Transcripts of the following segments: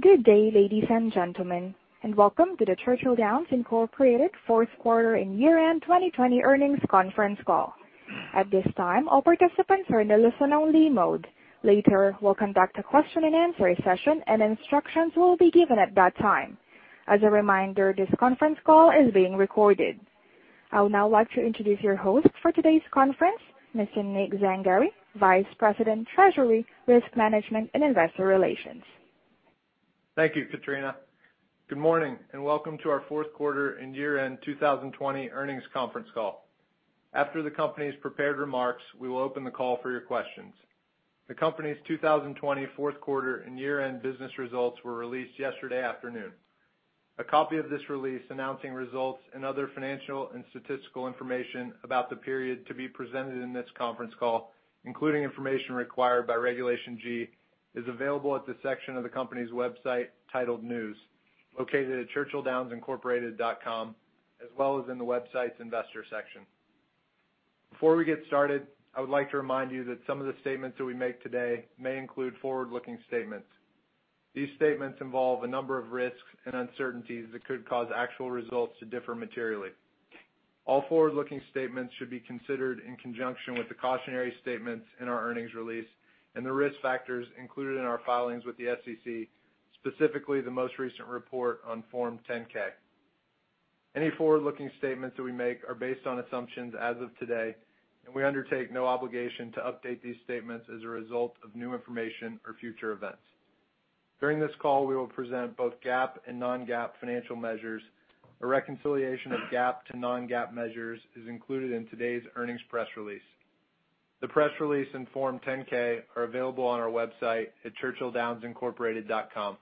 Good day, ladies and gentlemen, and welcome to the Churchill Downs Incorporated fourth quarter and year-end 2020 earnings conference call. At this time, all participants are in a listen-only mode. Later, we'll conduct a question-and-answer session, and instructions will be given at that time. As a reminder, this conference call is being recorded. I would now like to introduce your host for today's conference, Mr. Nick Zangari, Vice President, Treasury, Risk Management, and Investor Relations. Thank you, Katrina. Good morning, and welcome to our fourth quarter and year-end 2020 earnings conference call. After the company's prepared remarks, we will open the call for your questions. The company's 2020 fourth quarter and year-end business results were released yesterday afternoon. A copy of this release announcing results and other financial and statistical information about the period to be presented in this conference call, including information required by Regulation G, is available at the section of the company's website titled News, located at churchilldownsincorporated.com, as well as in the website's investor section. Before we get started, I would like to remind you that some of the statements that we make today may include forward-looking statements. These statements involve a number of risks and uncertainties that could cause actual results to differ materially. All forward-looking statements should be considered in conjunction with the cautionary statements in our earnings release and the risk factors included in our filings with the SEC, specifically the most recent report on Form 10-K. Any forward-looking statements that we make are based on assumptions as of today, and we undertake no obligation to update these statements as a result of new information or future events. During this call, we will present both GAAP and non-GAAP financial measures. A reconciliation of GAAP to non-GAAP measures is included in today's earnings press release. The press release and Form 10-K are available on our website at churchilldownsincorporated.com.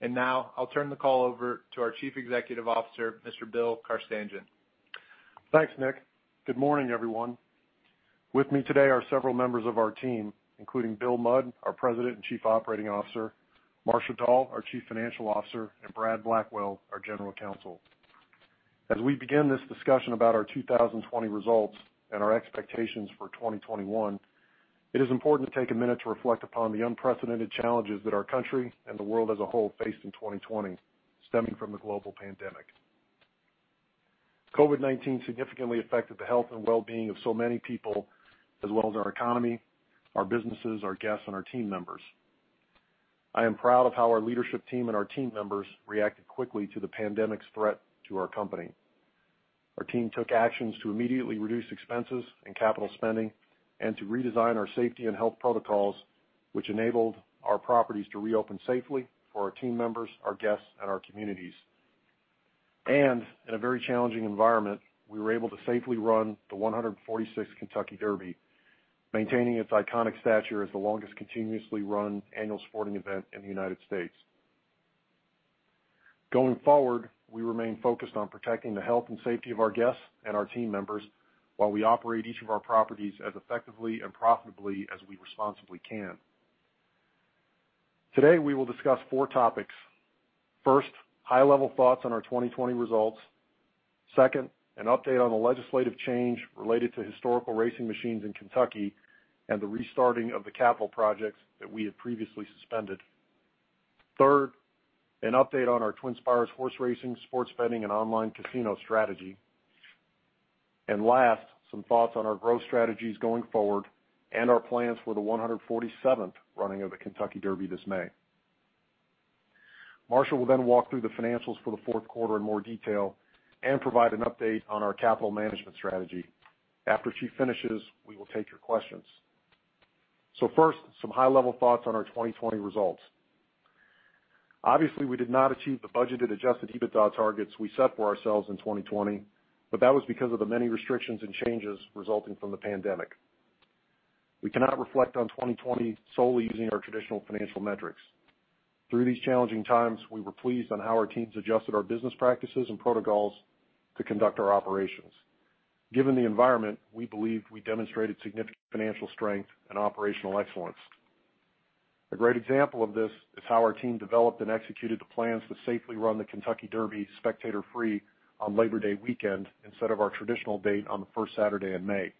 And now, I'll turn the call over to our Chief Executive Officer, Mr. Bill Carstanjen. Thanks, Nick. Good morning, everyone. With me today are several members of our team, including Bill Mudd, our President and Chief Operating Officer, Marcia Dall, our Chief Financial Officer, and Brad Blackwell, our General Counsel. As we begin this discussion about our 2020 results and our expectations for 2021, it is important to take a minute to reflect upon the unprecedented challenges that our country and the world as a whole faced in 2020, stemming from the global pandemic. COVID-19 significantly affected the health and well-being of so many people, as well as our economy, our businesses, our guests, and our team members. I am proud of how our leadership team and our team members reacted quickly to the pandemic's threat to our company. Our team took actions to immediately reduce expenses and capital spending and to redesign our safety and health protocols, which enabled our properties to reopen safely for our team members, our guests, and our communities. In a very challenging environment, we were able to safely run the 146th Kentucky Derby, maintaining its iconic stature as the longest continuously run annual sporting event in the United States. Going forward, we remain focused on protecting the health and safety of our guests and our team members while we operate each of our properties as effectively and profitably as we responsibly can. Today, we will discuss four topics. First, high-level thoughts on our 2020 results. Second, an update on the legislative change related to historical racing machines in Kentucky and the restarting of the capital projects that we had previously suspended. Third, an update on our TwinSpires horse racing, sports betting, and online casino strategy. Last, some thoughts on our growth strategies going forward and our plans for the 147th running of the Kentucky Derby this May. Marcia will then walk through the financials for the fourth quarter in more detail and provide an update on our capital management strategy. After she finishes, we will take your questions. First, some high-level thoughts on our 2020 results. Obviously, we did not achieve the budgeted adjusted EBITDA targets we set for ourselves in 2020, but that was because of the many restrictions and changes resulting from the pandemic. We cannot reflect on 2020 solely using our traditional financial metrics. Through these challenging times, we were pleased with how our teams adjusted our business practices and protocols to conduct our operations. Given the environment, we believed we demonstrated significant financial strength and operational excellence. A great example of this is how our team developed and executed the plans to safely run the Kentucky Derby spectator-free on Labor Day weekend instead of our traditional date on the first Saturday in May.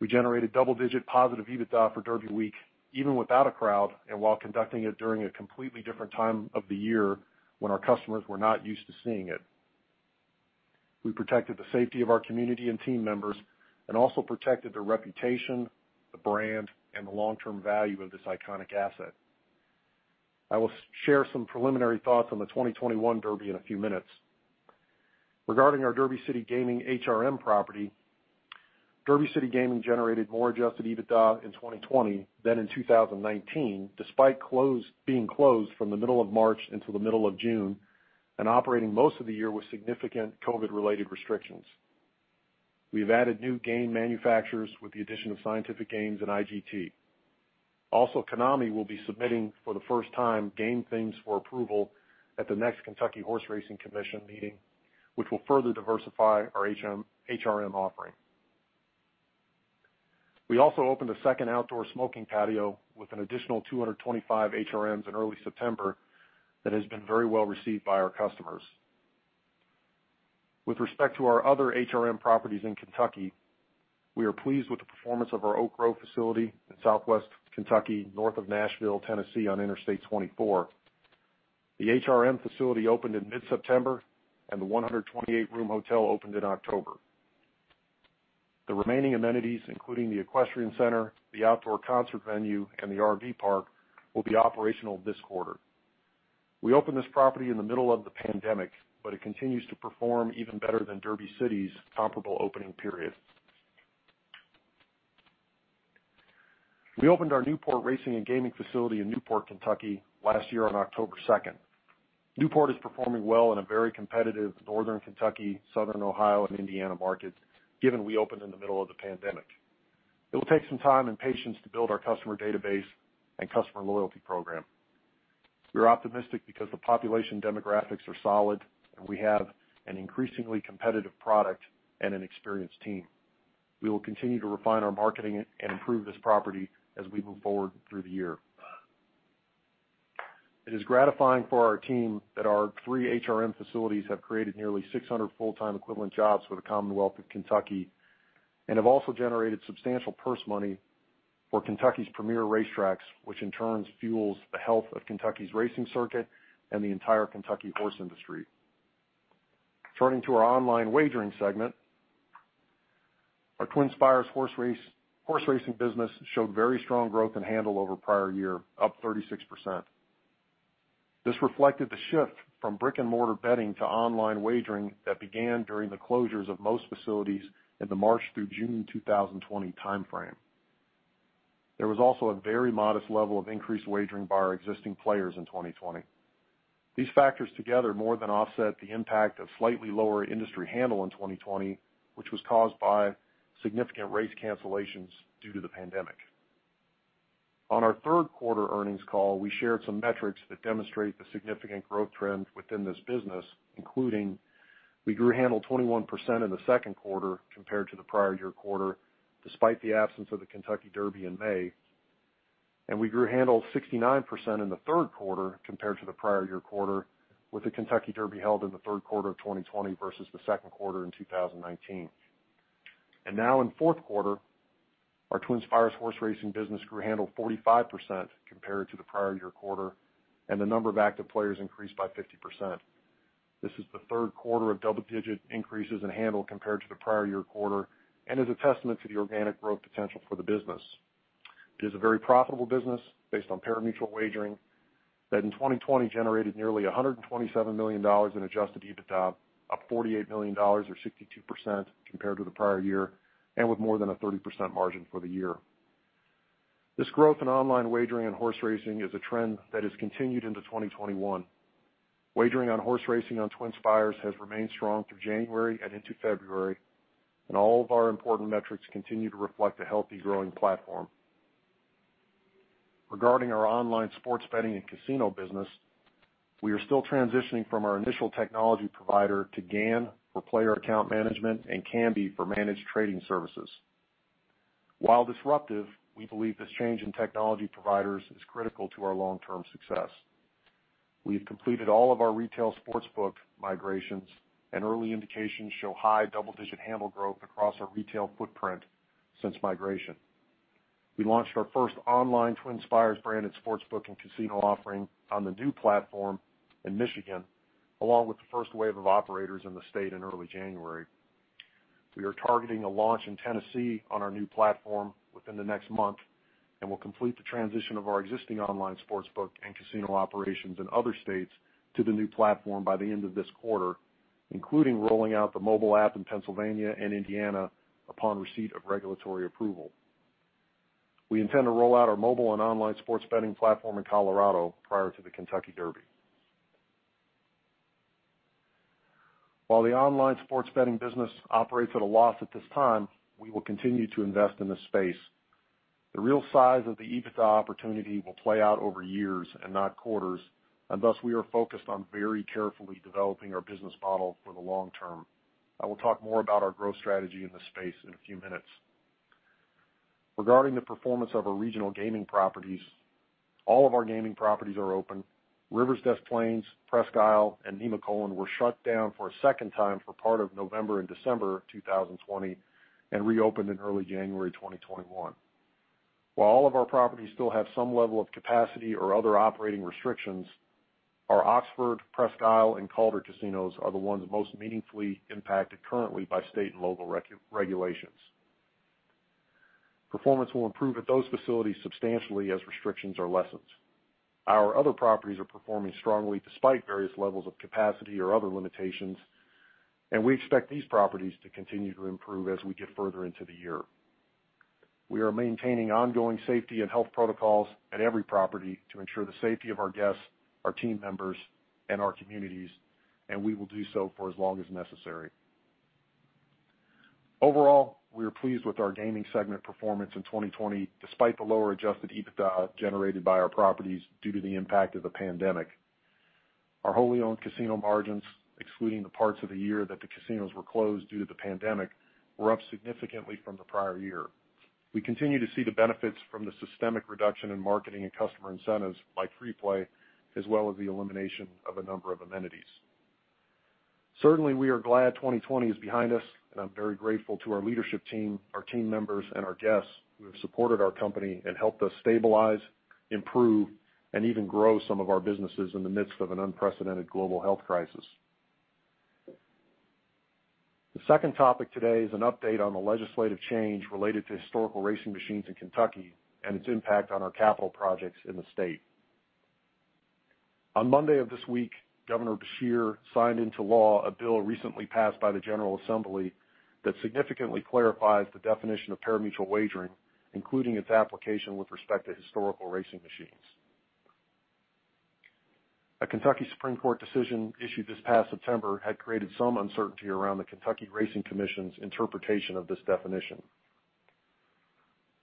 We generated double-digit positive EBITDA for Derby week, even without a crowd and while conducting it during a completely different time of the year when our customers were not used to seeing it. We protected the safety of our community and team members and also protected the reputation, the brand, and the long-term value of this iconic asset. I will share some preliminary thoughts on the 2021 Derby in a few minutes. Regarding our Derby City Gaming HRM property, Derby City Gaming generated more Adjusted EBITDA in 2020 than in 2019, despite being closed from the middle of March until the middle of June, and operating most of the year with significant COVID-related restrictions. We've added new game manufacturers with the addition of Scientific Games and IGT. Also, Konami will be submitting for the first time game themes for approval at the next Kentucky Horse Racing Commission meeting, which will further diversify our HRM offering. We also opened a second outdoor smoking patio with an additional 225 HRMs in early September that has been very well received by our customers.... With respect to our other HRM properties in Kentucky, we are pleased with the performance of our Oak Grove facility in Southwest Kentucky, north of Nashville, Tennessee, on Interstate 24. The HRM facility opened in mid-September, and the 128-room hotel opened in October. The remaining amenities, including the equestrian center, the outdoor concert venue, and the RV park, will be operational this quarter. We opened this property in the middle of the pandemic, but it continues to perform even better than Derby City's comparable opening period. We opened our Newport Racing and Gaming facility in Newport, Kentucky, last year on October 2. Newport is performing well in a very competitive Northern Kentucky, Southern Ohio, and Indiana market, given we opened in the middle of the pandemic. It will take some time and patience to build our customer database and customer loyalty program. We're optimistic because the population demographics are solid, and we have an increasingly competitive product and an experienced team. We will continue to refine our marketing and improve this property as we move forward through the year. It is gratifying for our team that our three HRM facilities have created nearly 600 full-time equivalent jobs for the Commonwealth of Kentucky and have also generated substantial purse money for Kentucky's premier racetracks, which in turn fuels the health of Kentucky's racing circuit and the entire Kentucky horse industry. Turning to our online wagering segment, our TwinSpires horse racing business showed very strong growth in handle over prior year, up 36%. This reflected the shift from brick-and-mortar betting to online wagering that began during the closures of most facilities in the March through June 2020 timeframe. There was also a very modest level of increased wagering by our existing players in 2020. These factors, together, more than offset the impact of slightly lower industry handle in 2020, which was caused by significant race cancellations due to the pandemic. On our third quarter earnings call, we shared some metrics that demonstrate the significant growth trend within this business, including we grew handle 21% in the second quarter compared to the prior year quarter, despite the absence of the Kentucky Derby in May, and we grew handle 69% in the third quarter compared to the prior year quarter, with the Kentucky Derby held in the third quarter of 2020 versus the second quarter in 2019. And now in fourth quarter, our TwinSpires horse racing business grew handle 45% compared to the prior year quarter, and the number of active players increased by 50%. This is the third quarter of double-digit increases in handle compared to the prior year quarter and is a testament to the organic growth potential for the business. It is a very profitable business based on pari-mutuel wagering that in 2020 generated nearly $127 million in Adjusted EBITDA, up $48 million or 62% compared to the prior year, and with more than a 30% margin for the year. This growth in online wagering and horse racing is a trend that has continued into 2021. Wagering on horse racing on TwinSpires has remained strong through January and into February, and all of our important metrics continue to reflect a healthy, growing platform. Regarding our online sports betting and casino business, we are still transitioning from our initial technology provider to GAN for player account management and Kambi for managed trading services. While disruptive, we believe this change in technology providers is critical to our long-term success. We have completed all of our retail sportsbook migrations, and early indications show high double-digit handle growth across our retail footprint since migration. We launched our first online TwinSpires-branded sportsbook and casino offering on the new platform in Michigan, along with the first wave of operators in the state in early January. We are targeting a launch in Tennessee on our new platform within the next month, and we'll complete the transition of our existing online sportsbook and casino operations in other states to the new platform by the end of this quarter, including rolling out the mobile app in Pennsylvania and Indiana upon receipt of regulatory approval. We intend to roll out our mobile and online sports betting platform in Colorado prior to the Kentucky Derby. While the online sports betting business operates at a loss at this time, we will continue to invest in this space. The real size of the EBITDA opportunity will play out over years and not quarters, and thus, we are focused on very carefully developing our business model for the long term. I will talk more about our growth strategy in this space in a few minutes. Regarding the performance of our regional gaming properties, all of our gaming properties are open. Rivers Des Plaines, Presque Isle, and Nemacolin were shut down for a second time for part of November and December 2020, and reopened in early January 2021. While all of our properties still have some level of capacity or other operating restrictions, our Oxford, Presque Isle, and Calder casinos are the ones most meaningfully impacted currently by state and local regulations. Performance will improve at those facilities substantially as restrictions are lessened. Our other properties are performing strongly, despite various levels of capacity or other limitations, and we expect these properties to continue to improve as we get further into the year. We are maintaining ongoing safety and health protocols at every property to ensure the safety of our guests, our team members, and our communities, and we will do so for as long as necessary. Overall, we are pleased with our gaming segment performance in 2020, despite the lower Adjusted EBITDA generated by our properties due to the impact of the pandemic. Our wholly owned casino margins, excluding the parts of the year that the casinos were closed due to the pandemic, were up significantly from the prior year.... We continue to see the benefits from the systemic reduction in marketing and customer incentives like Free Play, as well as the elimination of a number of amenities. Certainly, we are glad 2020 is behind us, and I'm very grateful to our leadership team, our team members, and our guests who have supported our company and helped us stabilize, improve, and even grow some of our businesses in the midst of an unprecedented global health crisis. The second topic today is an update on the legislative change related to historical racing machines in Kentucky and its impact on our capital projects in the state. On Monday of this week, Governor Beshear signed into law a bill recently passed by the General Assembly that significantly clarifies the definition of pari-mutuel wagering, including its application with respect to historical racing machines. A Kentucky Supreme Court decision issued this past September had created some uncertainty around the Kentucky Horse Racing Commission's interpretation of this definition.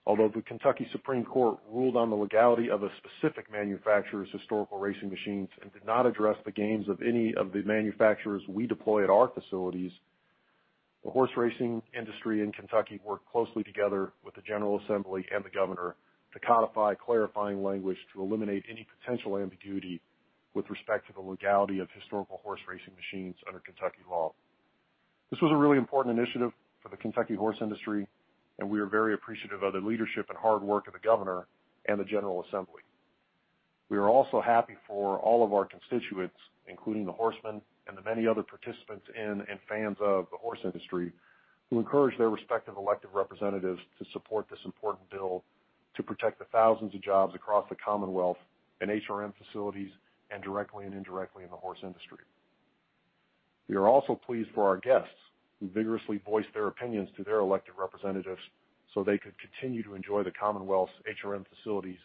Although the Kentucky Supreme Court ruled on the legality of a specific manufacturer's historical racing machines and did not address the games of any of the manufacturers we deploy at our facilities, the horse racing industry in Kentucky worked closely together with the General Assembly and the governor to codify clarifying language to eliminate any potential ambiguity with respect to the legality of historical horse racing machines under Kentucky law. This was a really important initiative for the Kentucky horse industry, and we are very appreciative of the leadership and hard work of the governor and the General Assembly. We are also happy for all of our constituents, including the horsemen and the many other participants in and fans of the horse industry, who encouraged their respective elected representatives to support this important bill to protect the thousands of jobs across the Commonwealth in HRM facilities and directly and indirectly in the horse industry. We are also pleased for our guests, who vigorously voiced their opinions to their elected representatives so they could continue to enjoy the Commonwealth's HRM facilities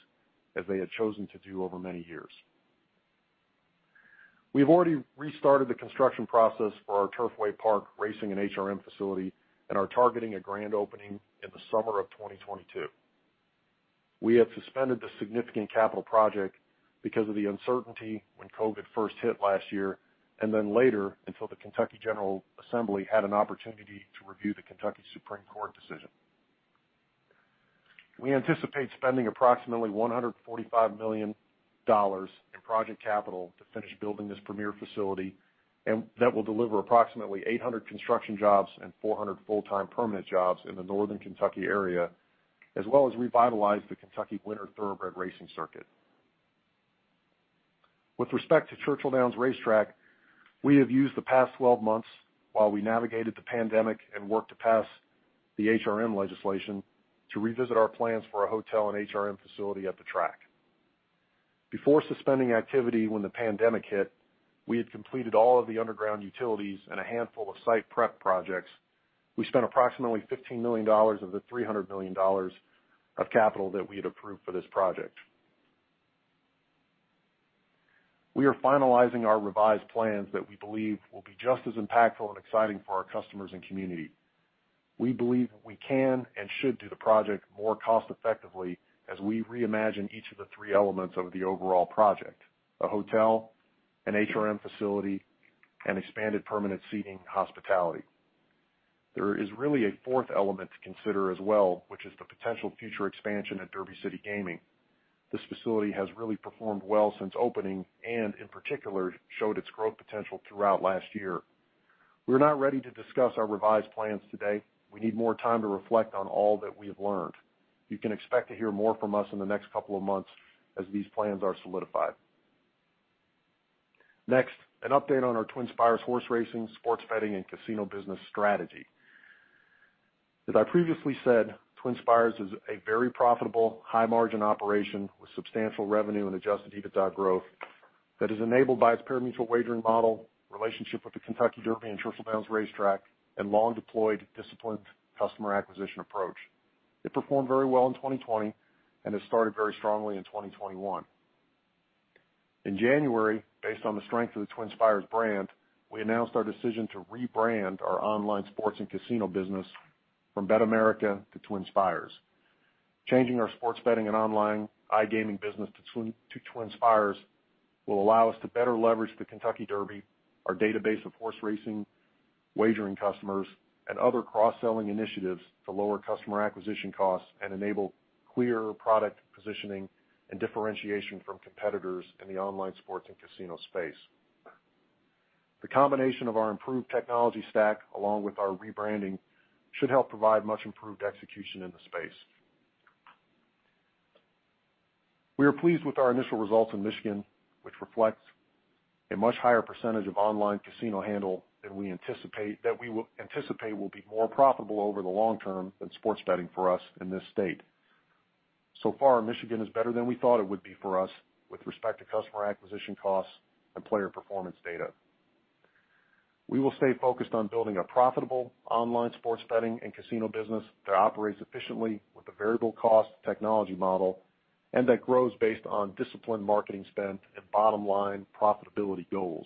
as they had chosen to do over many years. We have already restarted the construction process for our Turfway Park racing and HRM facility and are targeting a grand opening in the summer of 2022. We had suspended the significant capital project because of the uncertainty when COVID first hit last year, and then later, until the Kentucky General Assembly had an opportunity to review the Kentucky Supreme Court decision. We anticipate spending approximately $145 million in project capital to finish building this premier facility, and that will deliver approximately 800 construction jobs and 400 full-time permanent jobs in the Northern Kentucky area, as well as revitalize the Kentucky winter thoroughbred racing circuit. With respect to Churchill Downs Racetrack, we have used the past 12 months while we navigated the pandemic and worked to pass the HRM legislation to revisit our plans for a hotel and HRM facility at the track. Before suspending activity when the pandemic hit, we had completed all of the underground utilities and a handful of site prep projects. We spent approximately $15 million of the $300 million of capital that we had approved for this project. We are finalizing our revised plans that we believe will be just as impactful and exciting for our customers and community. We believe that we can and should do the project more cost-effectively as we reimagine each of the three elements of the overall project: a hotel, an HRM facility, and expanded permanent seating hospitality. There is really a fourth element to consider as well, which is the potential future expansion at Derby City Gaming. This facility has really performed well since opening and, in particular, showed its growth potential throughout last year. We're not ready to discuss our revised plans today. We need more time to reflect on all that we have learned. You can expect to hear more from us in the next couple of months as these plans are solidified. Next, an update on our TwinSpires horse racing, sports betting, and casino business strategy. As I previously said, TwinSpires is a very profitable, high-margin operation with substantial revenue and Adjusted EBITDA growth that is enabled by its pari-mutuel wagering model, relationship with the Kentucky Derby and Churchill Downs Racetrack, and long-deployed, disciplined customer acquisition approach. It performed very well in 2020 and has started very strongly in 2021. In January, based on the strength of the TwinSpires brand, we announced our decision to rebrand our online sports and casino business from BetAmerica to TwinSpires. Changing our sports betting and online iGaming business to TwinSpires will allow us to better leverage the Kentucky Derby, our database of horse racing wagering customers, and other cross-selling initiatives to lower customer acquisition costs and enable clearer product positioning and differentiation from competitors in the online sports and casino space. The combination of our improved technology stack, along with our rebranding, should help provide much improved execution in the space. We are pleased with our initial results in Michigan, which reflects a much higher percentage of online casino handle than we anticipate will be more profitable over the long term than sports betting for us in this state. So far, Michigan is better than we thought it would be for us with respect to customer acquisition costs and player performance data. We will stay focused on building a profitable online sports betting and casino business that operates efficiently with a variable cost technology model and that grows based on disciplined marketing spend and bottom-line profitability goals.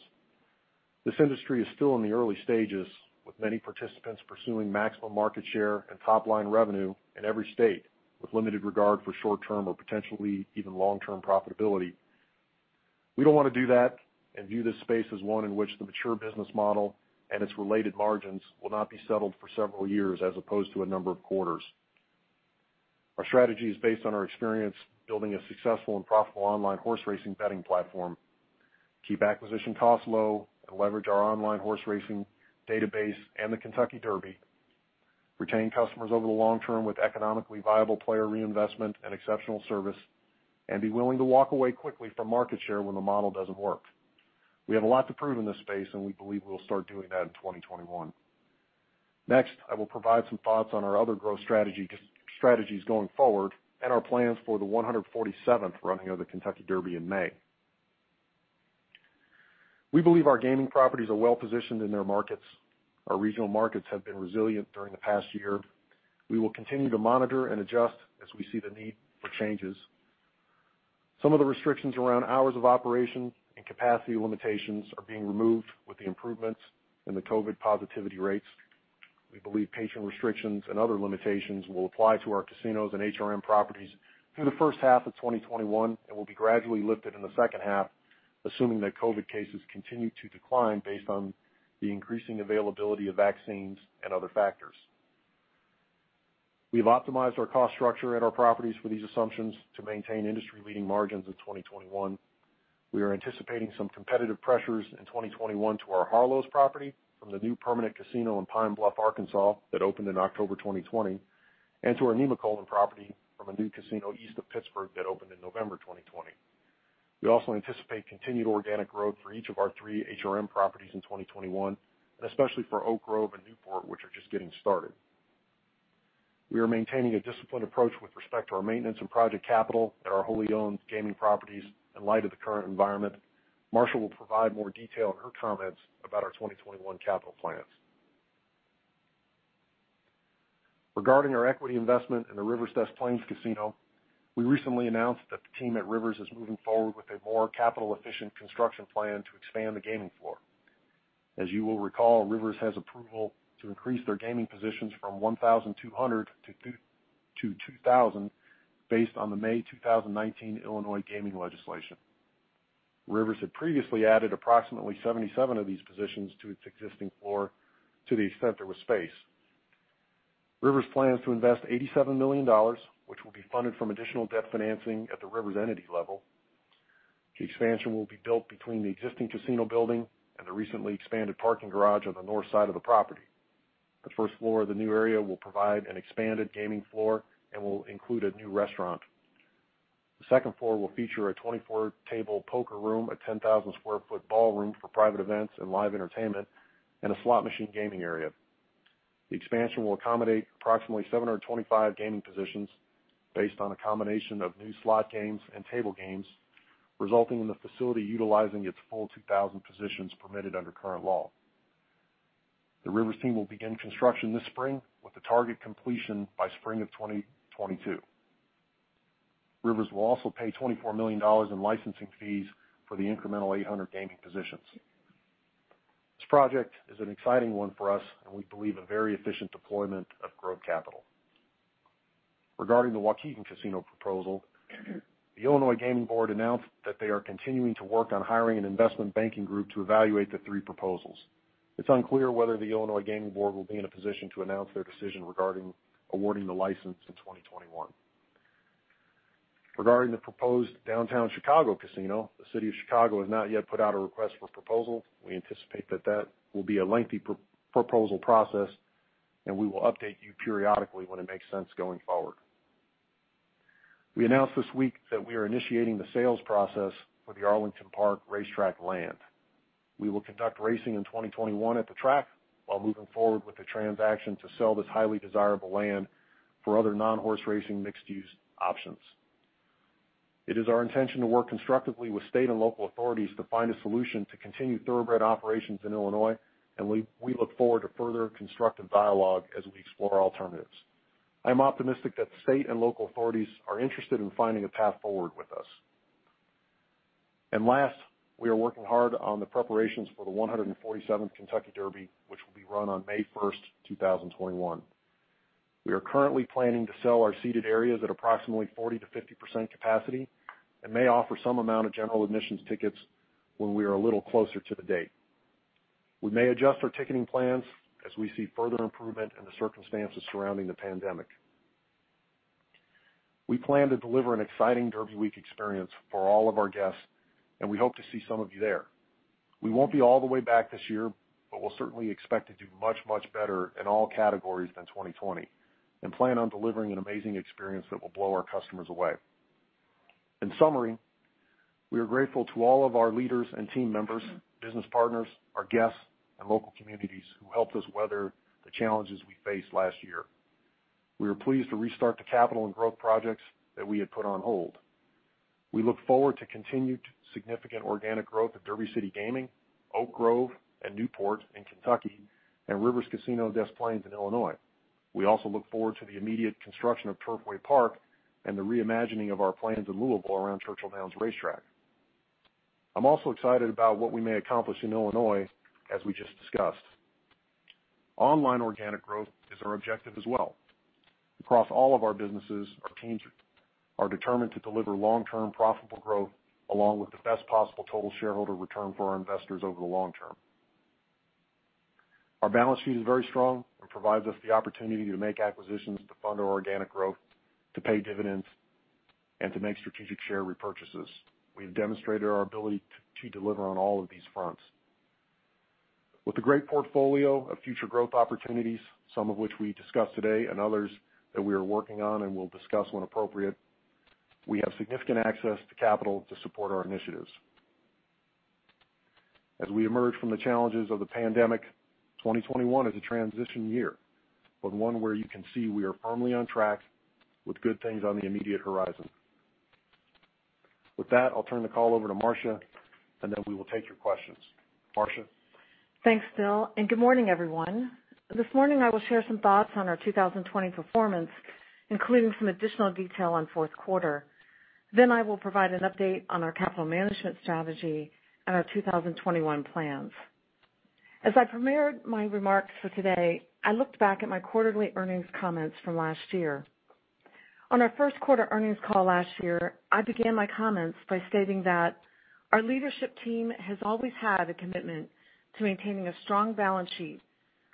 This industry is still in the early stages, with many participants pursuing maximum market share and top-line revenue in every state, with limited regard for short-term or potentially even long-term profitability.... We don't want to do that and view this space as one in which the mature business model and its related margins will not be settled for several years as opposed to a number of quarters. Our strategy is based on our experience building a successful and profitable online horse racing betting platform, keep acquisition costs low, and leverage our online horse racing database and the Kentucky Derby, retain customers over the long term with economically viable player reinvestment and exceptional service, and be willing to walk away quickly from market share when the model doesn't work. We have a lot to prove in this space, and we believe we will start doing that in 2021. Next, I will provide some thoughts on our other growth strategy, strategies going forward and our plans for the 147th running of the Kentucky Derby in May. We believe our gaming properties are well-positioned in their markets. Our regional markets have been resilient during the past year. We will continue to monitor and adjust as we see the need for changes. Some of the restrictions around hours of operation and capacity limitations are being removed with the improvements in the COVID positivity rates. We believe patient restrictions and other limitations will apply to our casinos and HRM properties through the first half of 2021, and will be gradually lifted in the second half, assuming that COVID cases continue to decline based on the increasing availability of vaccines and other factors. We've optimized our cost structure at our properties for these assumptions to maintain industry-leading margins in 2021. We are anticipating some competitive pressures in 2021 to our Harlow's property from the new permanent casino in Pine Bluff, Arkansas, that opened in October 2020, and to our Nemacolin property from a new casino east of Pittsburgh that opened in November 2020. We also anticipate continued organic growth for each of our three HRM properties in 2021, and especially for Oak Grove and Newport, which are just getting started. We are maintaining a disciplined approach with respect to our maintenance and project capital at our wholly owned gaming properties in light of the current environment. Marcia will provide more detail in her comments about our 2021 capital plans. Regarding our equity investment in the Rivers Casino Des Plaines, we recently announced that the team at Rivers is moving forward with a more capital-efficient construction plan to expand the gaming floor. As you will recall, Rivers has approval to increase their gaming positions from 1,200 to 2, to 2,000, based on the May 2019 Illinois gaming legislation. Rivers had previously added approximately 77 of these positions to its existing floor to the extent there was space. Rivers plans to invest $87 million, which will be funded from additional debt financing at the Rivers entity level. The expansion will be built between the existing casino building and the recently expanded parking garage on the north side of the property. The first floor of the new area will provide an expanded gaming floor and will include a new restaurant. The second floor will feature a 24-table poker room, a 10,000-square-foot ballroom for private events and live entertainment, and a slot machine gaming area. The expansion will accommodate approximately 725 gaming positions based on a combination of new slot games and table games, resulting in the facility utilizing its full 2,000 positions permitted under current law. The Rivers team will begin construction this spring, with a target completion by spring of 2022. Rivers will also pay $24 million in licensing fees for the incremental 800 gaming positions. This project is an exciting one for us, and we believe, a very efficient deployment of growth capital. Regarding the Waukegan casino proposal, the Illinois Gaming Board announced that they are continuing to work on hiring an investment banking group to evaluate the three proposals. It's unclear whether the Illinois Gaming Board will be in a position to announce their decision regarding awarding the license in 2021. Regarding the proposed downtown Chicago casino, the city of Chicago has not yet put out a request for proposal. We anticipate that that will be a lengthy proposal process, and we will update you periodically when it makes sense going forward. We announced this week that we are initiating the sales process for the Arlington Park Racetrack land. We will conduct racing in 2021 at the track while moving forward with the transaction to sell this highly desirable land for other non-horse racing, mixed-use options. It is our intention to work constructively with state and local authorities to find a solution to continue thoroughbred operations in Illinois, and we look forward to further constructive dialogue as we explore alternatives. I'm optimistic that the state and local authorities are interested in finding a path forward with us. Last, we are working hard on the preparations for the 147th Kentucky Derby, which will be run on May 1, 2021. We are currently planning to sell our seated areas at approximately 40%-50% capacity and may offer some amount of general admissions tickets when we are a little closer to the date. We may adjust our ticketing plans as we see further improvement in the circumstances surrounding the pandemic. We plan to deliver an exciting Derby Week experience for all of our guests, and we hope to see some of you there. We won't be all the way back this year, but we'll certainly expect to do much, much better in all categories than 2020, and plan on delivering an amazing experience that will blow our customers away. In summary, we are grateful to all of our leaders and team members, business partners, our guests, and local communities who helped us weather the challenges we faced last year. We are pleased to restart the capital and growth projects that we had put on hold. We look forward to continued significant organic growth at Derby City Gaming, Oak Grove and Newport in Kentucky, and Rivers Casino Des Plaines in Illinois. We also look forward to the immediate construction of Turfway Park and the reimagining of our plans in Louisville around Churchill Downs Racetrack. I'm also excited about what we may accomplish in Illinois, as we just discussed. Online organic growth is our objective as well. Across all of our businesses, our teams are determined to deliver long-term profitable growth, along with the best possible total shareholder return for our investors over the long term. Our balance sheet is very strong and provides us the opportunity to make acquisitions, to fund our organic growth, to pay dividends, and to make strategic share repurchases. We have demonstrated our ability to deliver on all of these fronts. With a great portfolio of future growth opportunities, some of which we discussed today and others that we are working on and will discuss when appropriate, we have significant access to capital to support our initiatives. As we emerge from the challenges of the pandemic, 2021 is a transition year, but one where you can see we are firmly on track with good things on the immediate horizon. With that, I'll turn the call over to Marcia, and then we will take your questions. Marcia? Thanks, Bill, and good morning, everyone. This morning, I will share some thoughts on our 2020 performance, including some additional detail on fourth quarter. Then I will provide an update on our capital management strategy and our 2021 plans. As I prepared my remarks for today, I looked back at my quarterly earnings comments from last year. On our first quarter earnings call last year, I began my comments by stating that our leadership team has always had a commitment to maintaining a strong balance sheet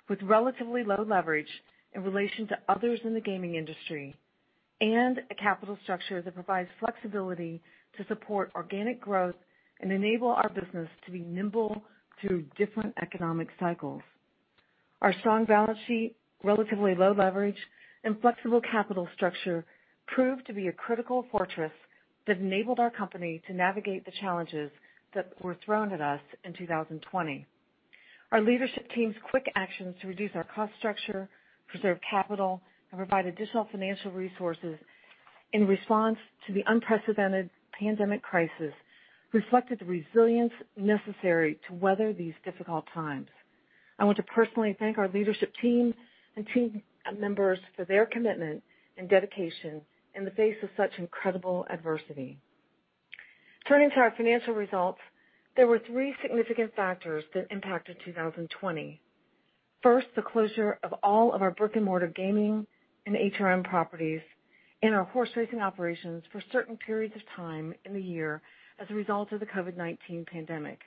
with relatively low leverage in relation to others in the gaming industry, and a capital structure that provides flexibility to support organic growth and enable our business to be nimble through different economic cycles. Our strong balance sheet, relatively low leverage, and flexible capital structure proved to be a critical fortress that enabled our company to navigate the challenges that were thrown at us in 2020. Our leadership team's quick actions to reduce our cost structure, preserve capital, and provide additional financial resources in response to the unprecedented pandemic crisis, reflected the resilience necessary to weather these difficult times. I want to personally thank our leadership team and team members for their commitment and dedication in the face of such incredible adversity. Turning to our financial results, there were three significant factors that impacted 2020. First, the closure of all of our brick-and-mortar gaming and HRM properties and our horse racing operations for certain periods of time in the year as a result of the COVID-19 pandemic.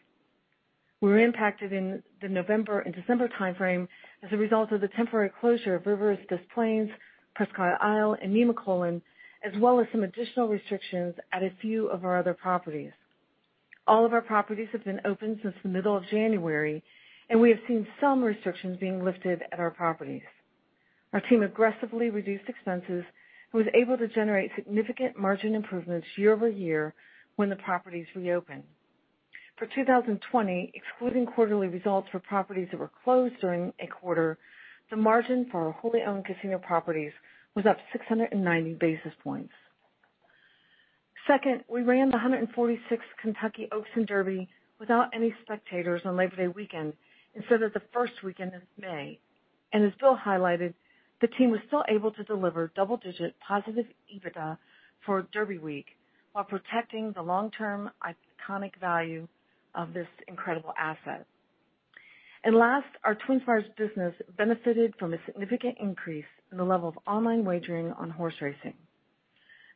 We were impacted in the November and December timeframe as a result of the temporary closure of Rivers Casino Des Plaines, Presque Isle, and Nemacolin, as well as some additional restrictions at a few of our other properties. All of our properties have been open since the middle of January, and we have seen some restrictions being lifted at our properties. Our team aggressively reduced expenses and was able to generate significant margin improvements year-over-year when the properties reopened. For 2020, excluding quarterly results for properties that were closed during a quarter, the margin for our wholly owned casino properties was up 690 basis points. Second, we ran the 146th Kentucky Oaks and Derby without any spectators on Labor Day weekend, instead of the first weekend in May. As Bill highlighted, the team was still able to deliver double-digit positive EBITDA for Derby week while protecting the long-term iconic value of this incredible asset. Last, our TwinSpires business benefited from a significant increase in the level of online wagering on horse racing.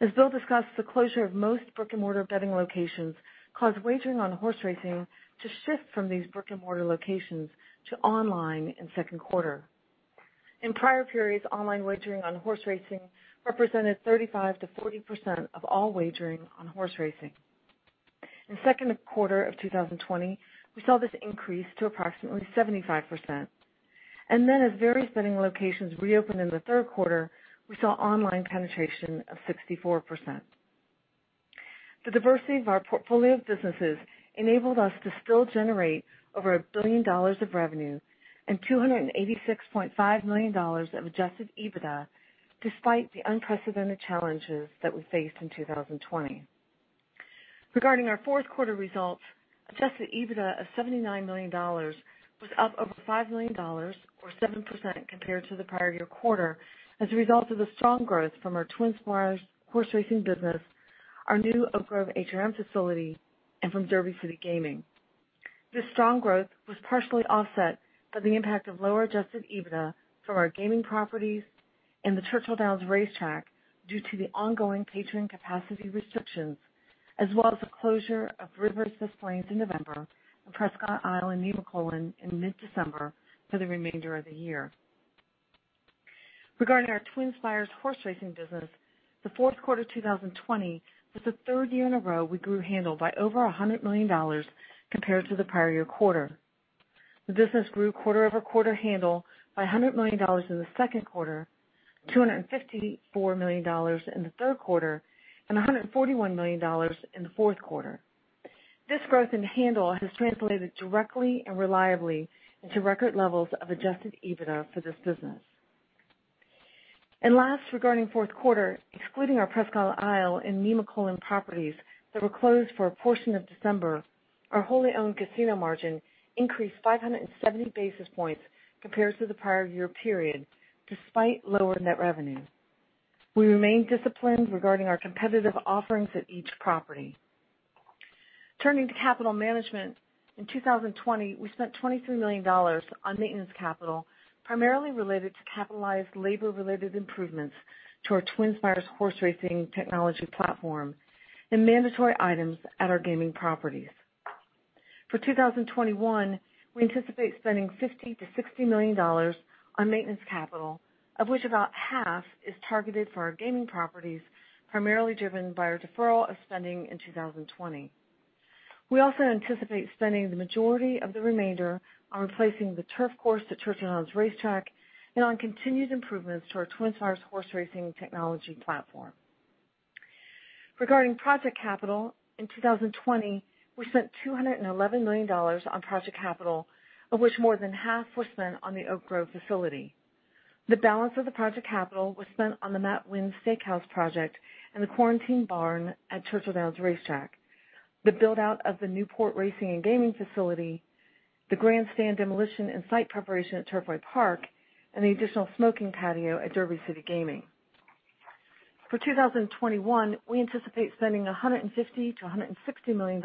As Bill discussed, the closure of most brick-and-mortar betting locations caused wagering on horse racing to shift from these brick-and-mortar locations to online in second quarter. In prior periods, online wagering on horse racing represented 35%-40% of all wagering on horse racing. In second quarter of 2020, we saw this increase to approximately 75%, and then as various betting locations reopened in the third quarter, we saw online penetration of 64%. The diversity of our portfolio of businesses enabled us to still generate over $1 billion of revenue and $286.5 million of Adjusted EBITDA, despite the unprecedented challenges that we faced in 2020. Regarding our fourth quarter results, Adjusted EBITDA of $79 million was up over $5 million or 7% compared to the prior year quarter, as a result of the strong growth from our TwinSpires horse racing business, our new Oak Grove HRM facility, and from Derby City Gaming. This strong growth was partially offset by the impact of lower Adjusted EBITDA from our gaming properties and the Churchill Downs Racetrack, due to the ongoing patron capacity restrictions, as well as the closure of Rivers Des Plaines in November, and Presque Isle and Nemacolin in mid-December for the remainder of the year. Regarding our TwinSpires horse racing business, the fourth quarter 2020 was the third year in a row we grew handle by over $100 million compared to the prior year quarter. The business grew quarter-over-quarter handle by $100 million in the second quarter, $254 million in the third quarter, and $141 million in the fourth quarter. This growth in handle has translated directly and reliably into record levels of adjusted EBITDA for this business. Last, regarding fourth quarter, excluding our Presque Isle and Nemacolin properties that were closed for a portion of December, our wholly owned casino margin increased 570 basis points compared to the prior year period, despite lower net revenue. We remain disciplined regarding our competitive offerings at each property.... Turning to capital management, in 2020, we spent $23 million on maintenance capital, primarily related to capitalized labor-related improvements to our TwinSpires horse racing technology platform and mandatory items at our gaming properties. For 2021, we anticipate spending $50-$60 million on maintenance capital, of which about half is targeted for our gaming properties, primarily driven by our deferral of spending in 2020. We also anticipate spending the majority of the remainder on replacing the turf course at Churchill Downs Racetrack and on continued improvements to our TwinSpires horse racing technology platform. Regarding project capital, in 2020, we spent $211 million on project capital, of which more than half was spent on the Oak Grove facility. The balance of the project capital was spent on the Matt Winn Steakhouse project and the quarantine barn at Churchill Downs Racetrack, the build-out of the Newport Racing and Gaming facility, the grandstand demolition and site preparation at Turfway Park, and the additional smoking patio at Derby City Gaming. For 2021, we anticipate spending $150 million-$160 million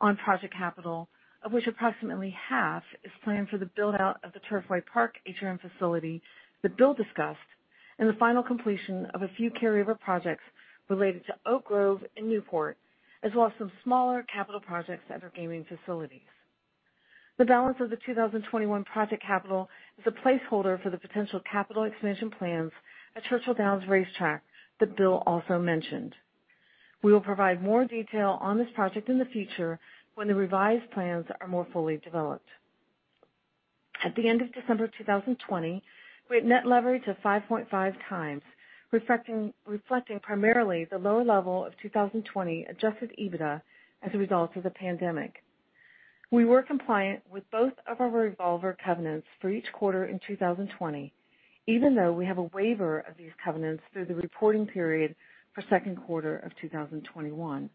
on project capital, of which approximately half is planned for the build-out of the Turfway Park HRM facility that Bill discussed, and the final completion of a few carryover projects related to Oak Grove and Newport, as well as some smaller capital projects at our gaming facilities. The balance of the 2021 project capital is a placeholder for the potential capital expansion plans at Churchill Downs Racetrack that Bill also mentioned. We will provide more detail on this project in the future when the revised plans are more fully developed. At the end of December 2020, we had net leverage of 5.5 times, reflecting primarily the low level of 2020 adjusted EBITDA as a result of the pandemic. We were compliant with both of our revolver covenants for each quarter in 2020, even though we have a waiver of these covenants through the reporting period for second quarter of 2021.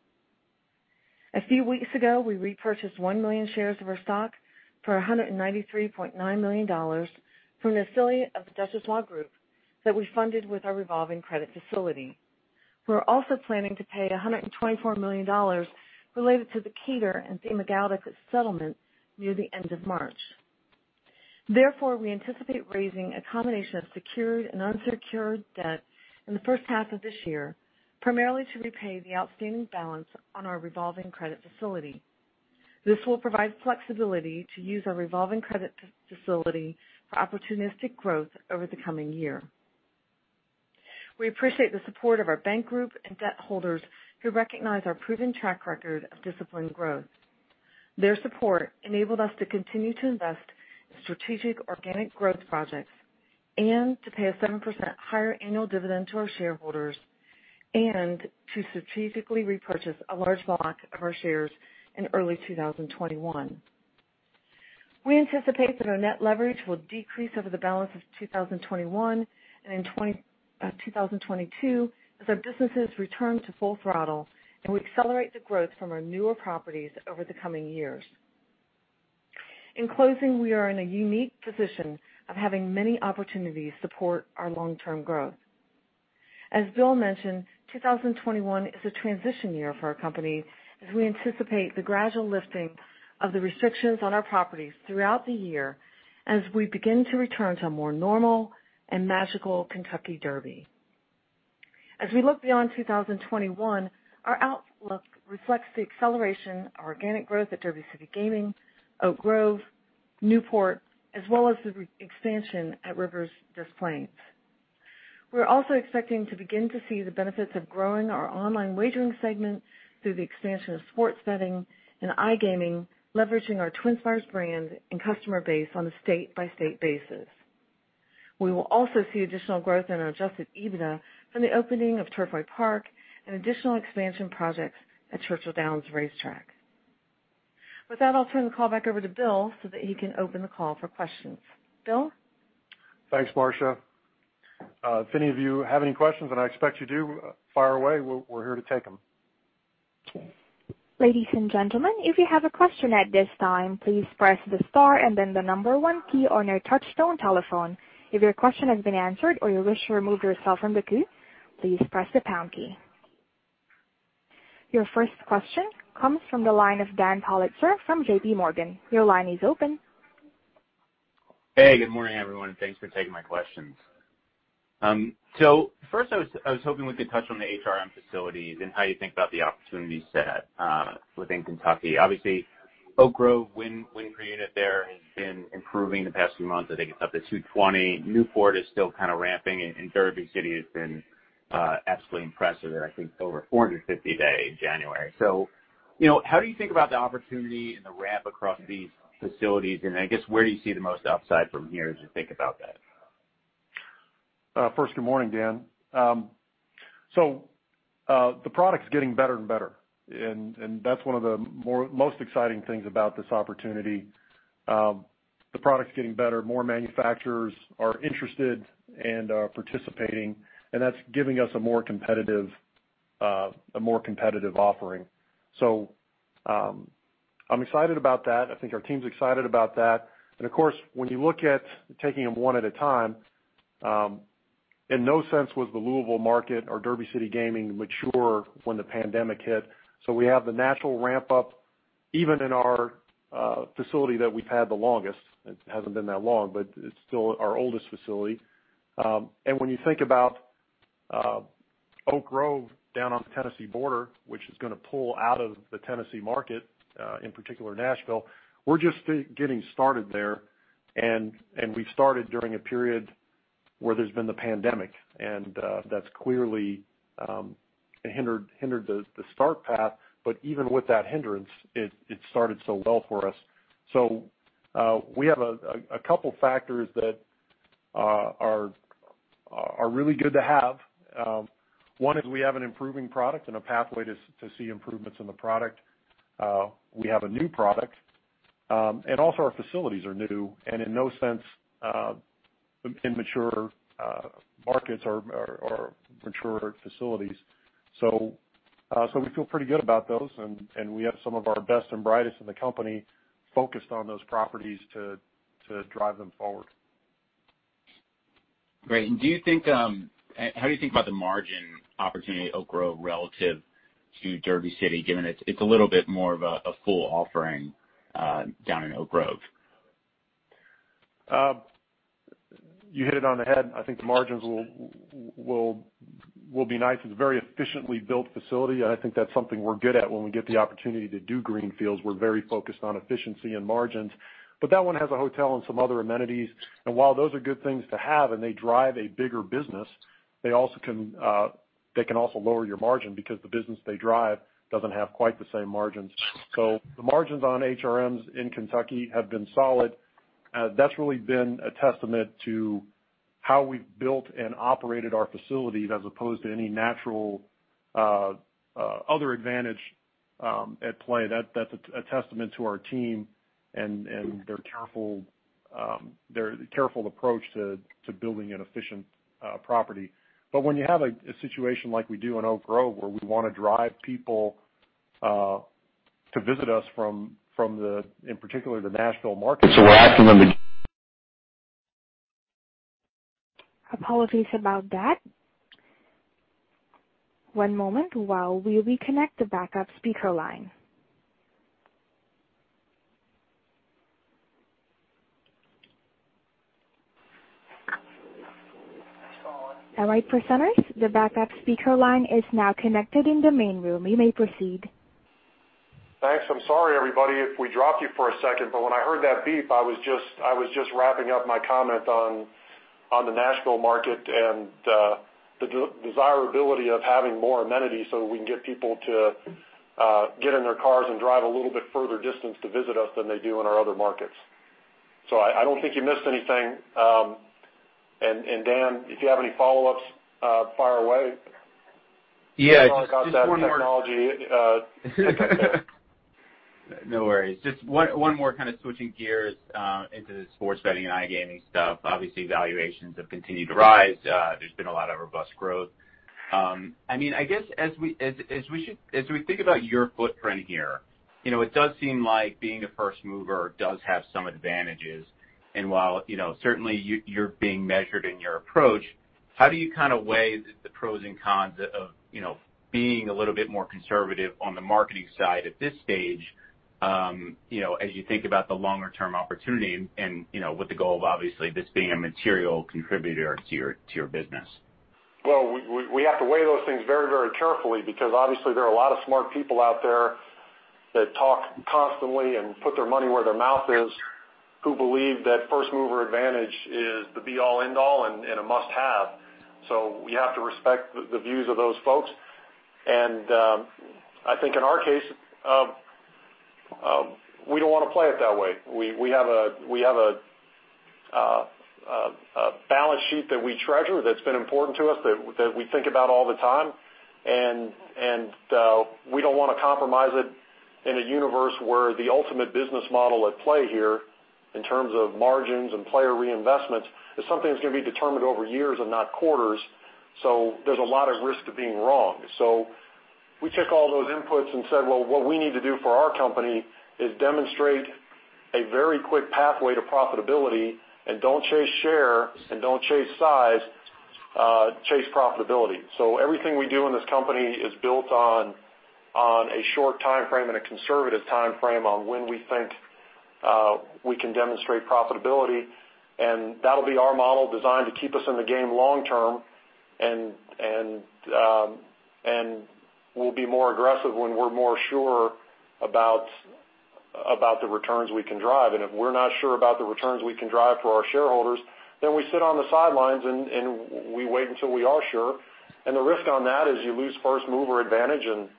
A few weeks ago, we repurchased 1 million shares of our stock for $193.9 million from an affiliate of the Duchossois Group that we funded with our revolving credit facility. We're also planning to pay $124 million related to the Kwartler and Demirjian Settlement near the end of March. Therefore, we anticipate raising a combination of secured and unsecured debt in the first half of this year, primarily to repay the outstanding balance on our revolving credit facility. This will provide flexibility to use our revolving credit facility for opportunistic growth over the coming year. We appreciate the support of our bank group and debt holders, who recognize our proven track record of disciplined growth. Their support enabled us to continue to invest in strategic organic growth projects and to pay a 7% higher annual dividend to our shareholders and to strategically repurchase a large block of our shares in early 2021. We anticipate that our net leverage will decrease over the balance of 2021 and in 2022, as our businesses return to full throttle and we accelerate the growth from our newer properties over the coming years. In closing, we are in a unique position of having many opportunities support our long-term growth. As Bill mentioned, 2021 is a transition year for our company, as we anticipate the gradual lifting of the restrictions on our properties throughout the year as we begin to return to a more normal and magical Kentucky Derby. As we look beyond 2021, our outlook reflects the acceleration of organic growth at Derby City Gaming, Oak Grove, Newport, as well as the re-expansion at Rivers Des Plaines. We're also expecting to begin to see the benefits of growing our online wagering segment through the expansion of sports betting and iGaming, leveraging our TwinSpires brand and customer base on a state-by-state basis. We will also see additional growth in our Adjusted EBITDA from the opening of Turfway Park and additional expansion projects at Churchill Downs Racetrack. With that, I'll turn the call back over to Bill so that he can open the call for questions. Bill? Thanks, Marcia. If any of you have any questions, and I expect you do, fire away. We're here to take them. Ladies and gentlemen, if you have a question at this time, please press the star and then the number one key on your touchtone telephone. If your question has been answered or you wish to remove yourself from the queue, please press the pound key. Your first question comes from the line of Dan Politzer from J.P. Morgan. Your line is open. Hey, good morning, everyone, and thanks for taking my questions. So first, I was hoping we could touch on the HRM facilities and how you think about the opportunity set within Kentucky. Obviously, Oak Grove revenue there has been improving the past few months. I think it's up to 220. Newport is still kind of ramping, and Derby City has been absolutely impressive. I think over 450 a day in January. So you know, how do you think about the opportunity and the ramp across these facilities? And I guess, where do you see the most upside from here as you think about that? First, good morning, Dan. So, the product is getting better and better, and that's one of the most exciting things about this opportunity. The product's getting better, more manufacturers are interested and are participating, and that's giving us a more competitive offering. So, I'm excited about that. I think our team's excited about that. And of course, when you look at taking them one at a time, in no sense was the Louisville market or Derby City Gaming mature when the pandemic hit. So we have the natural ramp-up, even in our facility that we've had the longest. It hasn't been that long, but it's still our oldest facility. And when you think about Oak Grove down on the Tennessee border, which is gonna pull out of the Tennessee market, in particular, Nashville, we're just getting started there, and we started during a period where there's been the pandemic, and that's clearly hindered the start path, but even with that hindrance, it started so well for us. So, we have a couple factors that are really good to have. One is we have an improving product and a pathway to see improvements in the product. We have a new product, and also our facilities are new and in no sense immature markets or mature facilities. So, we feel pretty good about those, and we have some of our best and brightest in the company focused on those properties to drive them forward. Great. And do you think, how do you think about the margin opportunity at Oak Grove relative to Derby City, given it's a little bit more of a full offering down in Oak Grove? You hit it on the head. I think the margins will be nice. It's a very efficiently built facility. I think that's something we're good at. When we get the opportunity to do greenfields, we're very focused on efficiency and margins. But that one has a hotel and some other amenities, and while those are good things to have and they drive a bigger business, they also can, they can also lower your margin because the business they drive doesn't have quite the same margins. So the margins on HRMs in Kentucky have been solid. That's really been a testament to how we've built and operated our facilities as opposed to any natural other advantage at play. That's a testament to our team and their careful approach to building an efficient property. But when you have a situation like we do in Oak Grove, where we wanna drive people to visit us from, in particular, the Nashville market. So we're asking them to- Apologies about that. One moment while we reconnect the backup speaker line. All right, presenters, the backup speaker line is now connected in the main room. You may proceed. Thanks. I'm sorry, everybody, if we dropped you for a second, but when I heard that beep, I was just wrapping up my comment on the Nashville market and the desirability of having more amenities so we can get people to get in their cars and drive a little bit further distance to visit us than they do in our other markets. So I don't think you missed anything. And Dan, if you have any follow-ups, fire away. Yeah, just one more- Technology, uh, No worries. Just one more kind of switching gears into the sports betting and iGaming stuff. Obviously, valuations have continued to rise. There's been a lot of robust growth. I mean, I guess as we think about your footprint here, you know, it does seem like being a first mover does have some advantages. And while, you know, certainly you, you're being measured in your approach, how do you kind of weigh the pros and cons of, you know, being a little bit more conservative on the marketing side at this stage, you know, as you think about the longer term opportunity and, you know, with the goal of obviously this being a material contributor to your business? Well, we have to weigh those things very, very carefully because obviously there are a lot of smart people out there that talk constantly and put their money where their mouth is, who believe that first mover advantage is the be all, end all and a must-have. So we have to respect the views of those folks. And I think in our case, we don't want to play it that way. We have a balance sheet that we treasure, that's been important to us, that we think about all the time, and we don't wanna compromise it in a universe where the ultimate business model at play here, in terms of margins and player reinvestments, is something that's gonna be determined over years and not quarters. So there's a lot of risk of being wrong. So we took all those inputs and said, well, what we need to do for our company is demonstrate a very quick pathway to profitability and don't chase share and don't chase size, chase profitability. So everything we do in this company is built on a short timeframe and a conservative timeframe on when we think we can demonstrate profitability, and that'll be our model designed to keep us in the game long term. And we'll be more aggressive when we're more sure about the returns we can drive. And if we're not sure about the returns we can drive for our shareholders, then we sit on the sidelines and we wait until we are sure. The risk on that is you lose first mover advantage, and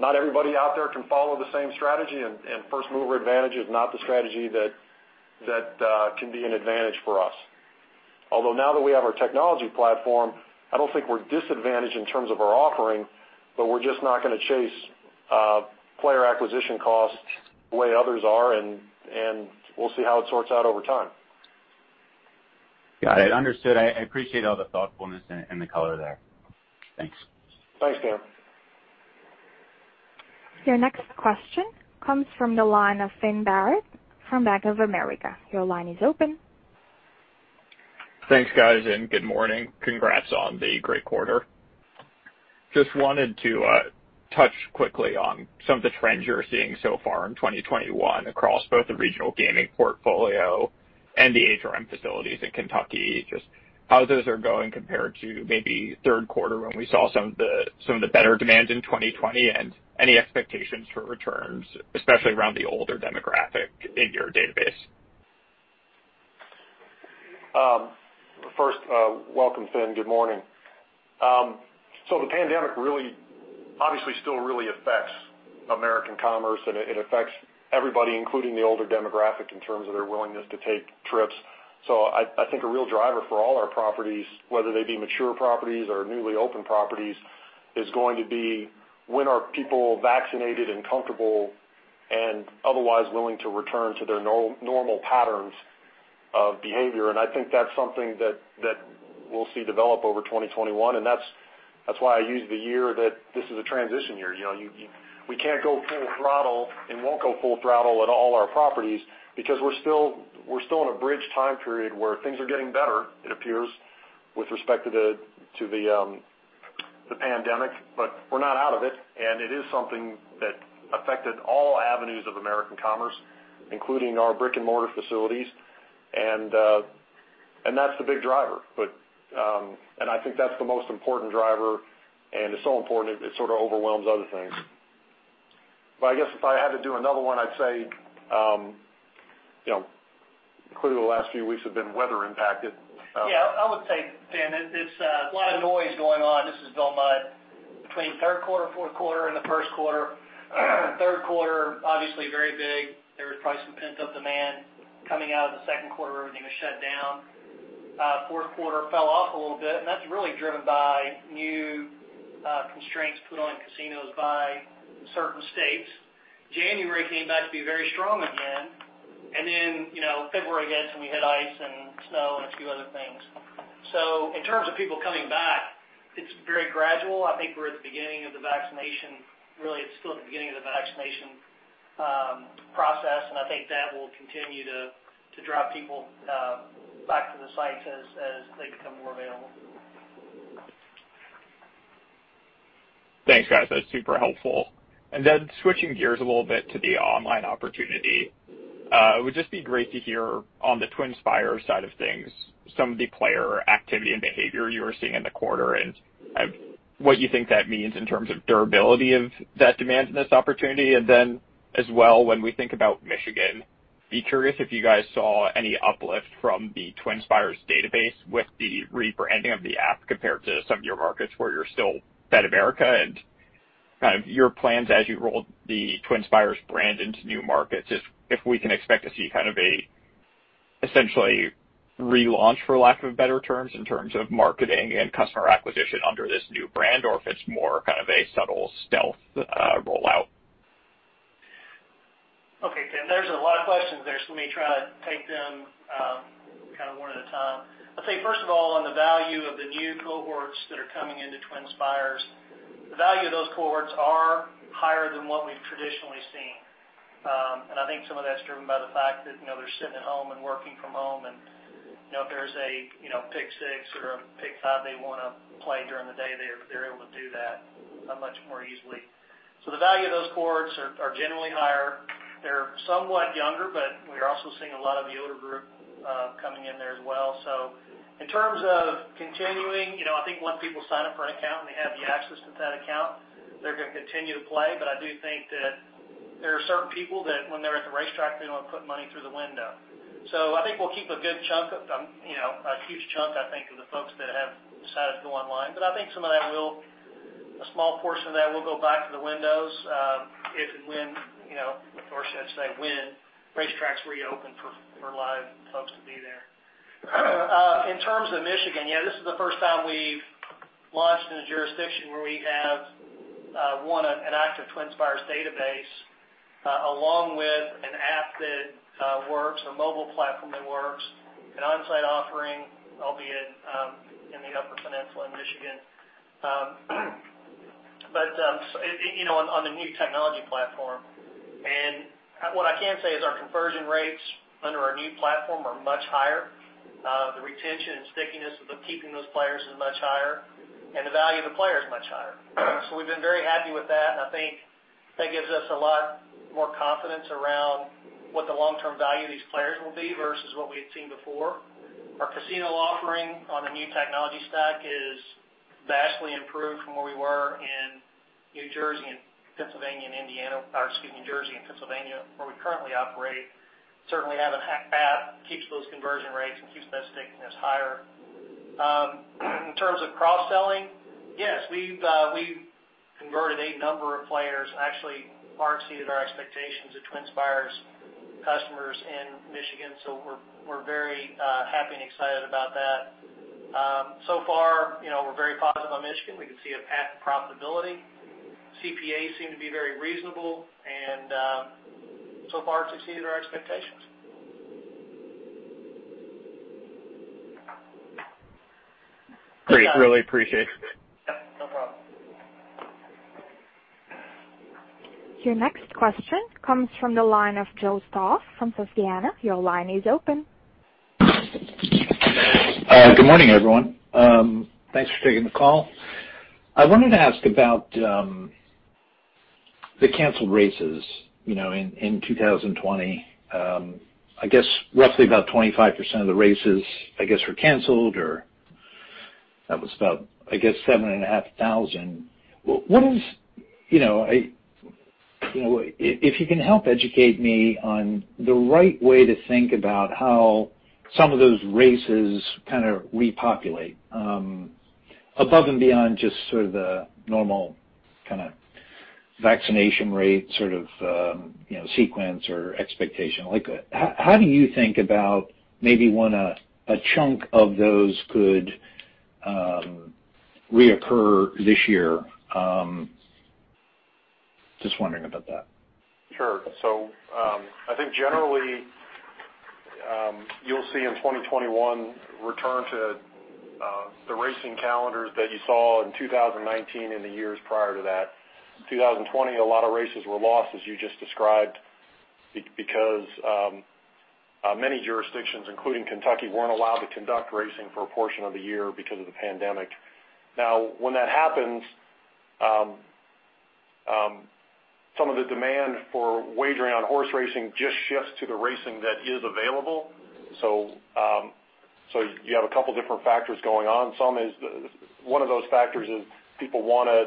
not everybody out there can follow the same strategy, and first mover advantage is not the strategy that can be an advantage for us. Although now that we have our technology platform, I don't think we're disadvantaged in terms of our offering, but we're just not gonna chase player acquisition costs the way others are, and we'll see how it sorts out over time. Got it. Understood. I appreciate all the thoughtfulness and the color there. Thanks. Thanks, Dan. Your next question comes from the line of Finn Barrett from Bank of America. Your line is open. Thanks, guys, and good morning. Congrats on the great quarter. Just wanted to touch quickly on some of the trends you're seeing so far in 2021 across both the regional gaming portfolio and the HRM facilities in Kentucky. Just how those are going compared to maybe third quarter when we saw some of the, some of the better demands in 2020, and any expectations for returns, especially around the older demographic in your database? First, welcome, Finn. Good morning. So the pandemic really, obviously, still really affects American commerce, and it, it affects everybody, including the older demographic, in terms of their willingness to take trips. So I think a real driver for all our properties, whether they be mature properties or newly opened properties, is going to be when are people vaccinated and comfortable and otherwise willing to return to their normal patterns of behavior? And I think that's something that, that we'll see develop over 2021, and that's, that's why I use the year that this is a transition year. You know, we can't go full throttle and won't go full throttle at all our properties, because we're still in a bridge time period where things are getting better, it appears, with respect to the pandemic, but we're not out of it, and it is something that affected all avenues of American commerce, including our brick-and-mortar facilities. And, and that's the big driver, but, and I think that's the most important driver, and it's so important it sort of overwhelms other things. But I guess if I had to do another one, I'd say, you know, clearly the last few weeks have been weather impacted. Yeah, I would say, Finn, it's a lot of noise going on. This is Bill Mudd. Between the third quarter, fourth quarter, and the first quarter, third quarter, obviously very big. There was probably some pent-up demand coming out of the second quarter where everything was shut down. Fourth quarter fell off a little bit, and that's really driven by new constraints put on casinos by certain states. January came back to be very strong again, and then, you know, February hits, and we had ice and snow and a few other things. So in terms of people coming back, it's very gradual. I think we're at the beginning of the vaccination. Really, it's still at the beginning of the vaccination process, and I think that will continue to drive people back to the sites as they become more available. Thanks, guys. That's super helpful. Then switching gears a little bit to the online opportunity, it would just be great to hear on the TwinSpires side of things, some of the player activity and behavior you are seeing in the quarter, and what you think that means in terms of durability of that demand and this opportunity. And then as well, when we think about Michigan, be curious if you guys saw any uplift from the TwinSpires database with the rebranding of the app compared to some of your markets where you're still BetAmerica, and kind of your plans as you roll the TwinSpires brand into new markets. Just if we can expect to see kind of a essentially relaunch, for lack of better terms, in terms of marketing and customer acquisition under this new brand, or if it's more kind of a subtle stealth rollout. Okay, Finn, there's a lot of questions there, so let me try to take them kind of one at a time. I'll say, first of all, on the value of the new cohorts that are coming into TwinSpires, the value of those cohorts are higher than what we've traditionally seen. And I think some of that's driven by the fact that, you know, they're sitting at home and working from home, and, you know, if there's a, you know, pick six or a pick five they wanna play during the day, they're able to do that much more easily. So the value of those cohorts are generally higher. They're somewhat younger, but we are also seeing a lot of the older group coming in there as well. So in terms of continuing, you know, I think once people sign up for an account, and they have the access to that account, they're gonna continue to play. But I do think that there are certain people that when they're at the racetrack, they want to put money through the window. So I think we'll keep a good chunk of, you know, a huge chunk, I think, of the folks that have decided to go online, but I think some of that will. A small portion of that will go back to the windows, if and when, you know, or should I say, when racetracks reopen for live folks to be there. In terms of Michigan, yeah, this is the first time we've launched in a jurisdiction where we have one, an active TwinSpires database, along with an app that works, a mobile platform that works, an onsite offering, albeit in the Upper Peninsula in Michigan. But you know, on the new technology platform, and what I can say is our conversion rates under our new platform are much higher. The retention and stickiness of keeping those players is much higher, and the value of the player is much higher. So we've been very happy with that, and I think that gives us a lot more confidence around what the long-term value of these players will be versus what we've seen before. Our casino offering on the new technology stack is vastly improved from where we were in New Jersey and Pennsylvania, and Indiana, or excuse me, New Jersey and Pennsylvania, where we currently operate. Certainly having an app keeps those conversion rates and keeps that stickiness higher. In terms of cross-selling, yes, we've, we've converted a number of players, actually far exceeded our expectations of TwinSpires customers in Michigan, so we're, we're very, happy and excited about that. So far, you know, we're very positive on Michigan. We can see a path to profitability. CPAs seem to be very reasonable and, so far exceeded our expectations.... Great, really appreciate it. Yeah, no problem. Your next question comes from the line of Joe Stauff from Susquehanna. Your line is open. Good morning, everyone. Thanks for taking the call. I wanted to ask about the canceled races, you know, in 2020. I guess roughly about 25% of the races, I guess, were canceled, or that was about, I guess, 7,500. You know, I, you know, if you can help educate me on the right way to think about how some of those races kind of repopulate, above and beyond just sort of the normal kind of vaccination rate, sort of, you know, sequence or expectation. Like, how do you think about maybe when a chunk of those could reoccur this year? Just wondering about that. Sure. So, I think generally, you'll see in 2021 return to the racing calendars that you saw in 2019 and the years prior to that. 2020, a lot of races were lost, as you just described, because many jurisdictions, including Kentucky, weren't allowed to conduct racing for a portion of the year because of the pandemic. Now, when that happens, some of the demand for wagering on horse racing just shifts to the racing that is available. So, so you have a couple different factors going on. Some is. One of those factors is people wanna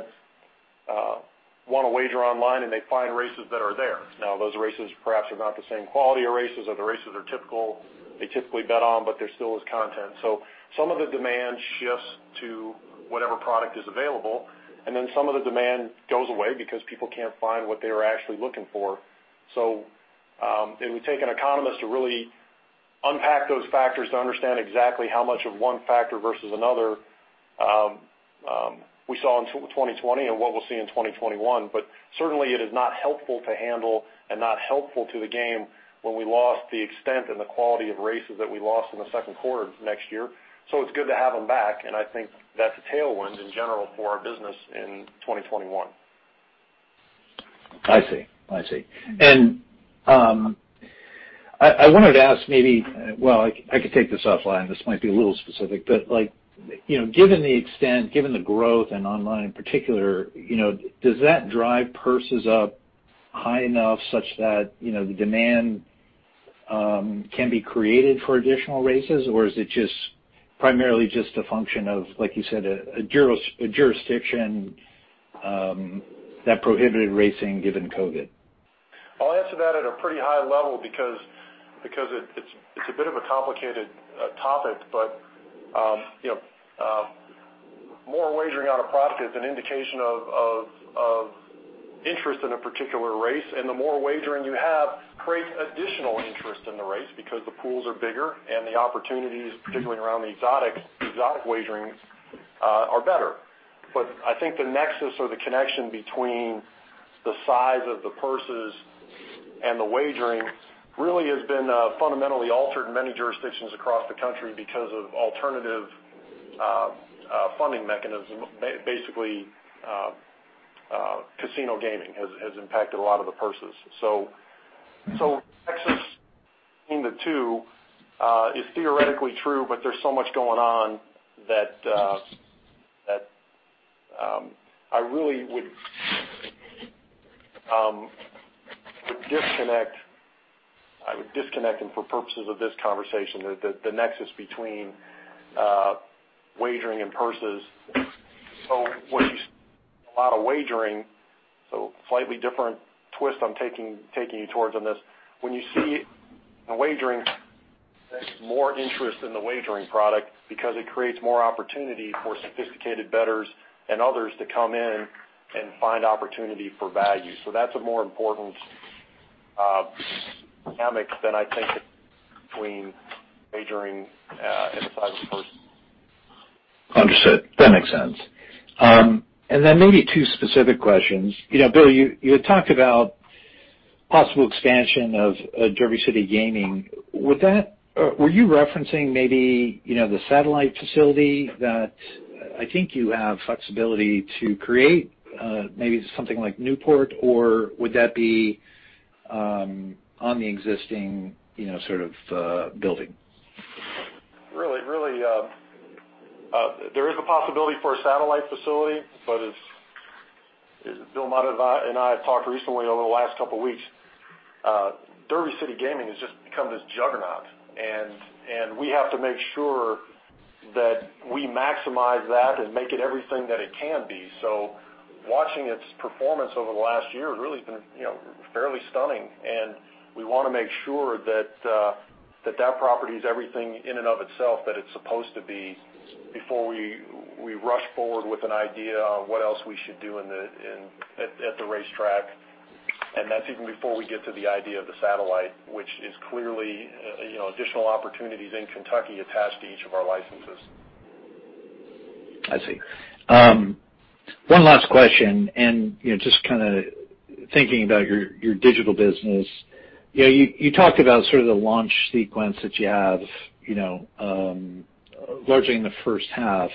wanna wager online, and they find races that are there. Now, those races perhaps are not the same quality of races or the races are typical... they typically bet on, but there still is content. So some of the demand shifts to whatever product is available, and then some of the demand goes away because people can't find what they were actually looking for. So, it would take an economist to really unpack those factors to understand exactly how much of one factor versus another, we saw in 2020 and what we'll see in 2021. But certainly it is not helpful to handle and not helpful to the game when we lost the extent and the quality of races that we lost in the second quarter next year. So it's good to have them back, and I think that's a tailwind in general for our business in 2021. I see. I see. And I wanted to ask maybe... Well, I could take this offline. This might be a little specific, but like, you know, given the extent, given the growth in online in particular, you know, does that drive purses up high enough such that, you know, the demand can be created for additional races? Or is it just primarily just a function of, like you said, a jurisdiction that prohibited racing given COVID? I'll answer that at a pretty high level because it's a bit of a complicated topic. But you know, more wagering on a product is an indication of interest in a particular race, and the more wagering you have creates additional interest in the race because the pools are bigger and the opportunities, particularly around the exotic wagering, are better. But I think the nexus or the connection between the size of the purses and the wagering really has been fundamentally altered in many jurisdictions across the country because of alternative funding mechanism. Basically, casino gaming has impacted a lot of the purses. So nexus between the two is theoretically true, but there's so much going on that I really would disconnect... I would disconnect them for purposes of this conversation, the nexus between wagering and purses. So what you—a lot of wagering, so slightly different twist I'm taking you towards on this. When you see a wagering, there's more interest in the wagering product because it creates more opportunity for sophisticated bettors and others to come in and find opportunity for value. So that's a more important dynamic than I think between wagering and the size of the purse. Understood. That makes sense. And then maybe two specific questions. You know, Bill, you, you talked about possible expansion of Derby City Gaming. Would that were you referencing maybe, you know, the satellite facility that I think you have flexibility to create, maybe something like Newport? Or would that be on the existing, you know, sort of building? Really, really, there is a possibility for a satellite facility, but as Bill Mudd and I have talked recently over the last couple weeks, Derby City Gaming has just become this juggernaut, and we have to make sure that we maximize that and make it everything that it can be. So watching its performance over the last year has really been, you know, fairly stunning, and we want to make sure that that property is everything in and of itself, that it's supposed to be before we rush forward with an idea on what else we should do in the at the racetrack. And that's even before we get to the idea of the satellite, which is clearly, you know, additional opportunities in Kentucky attached to each of our licenses. I see. One last question, and, you know, just kind of thinking about your, your digital business. You, you talked about sort of the launch sequence that you have, you know, largely in the first half.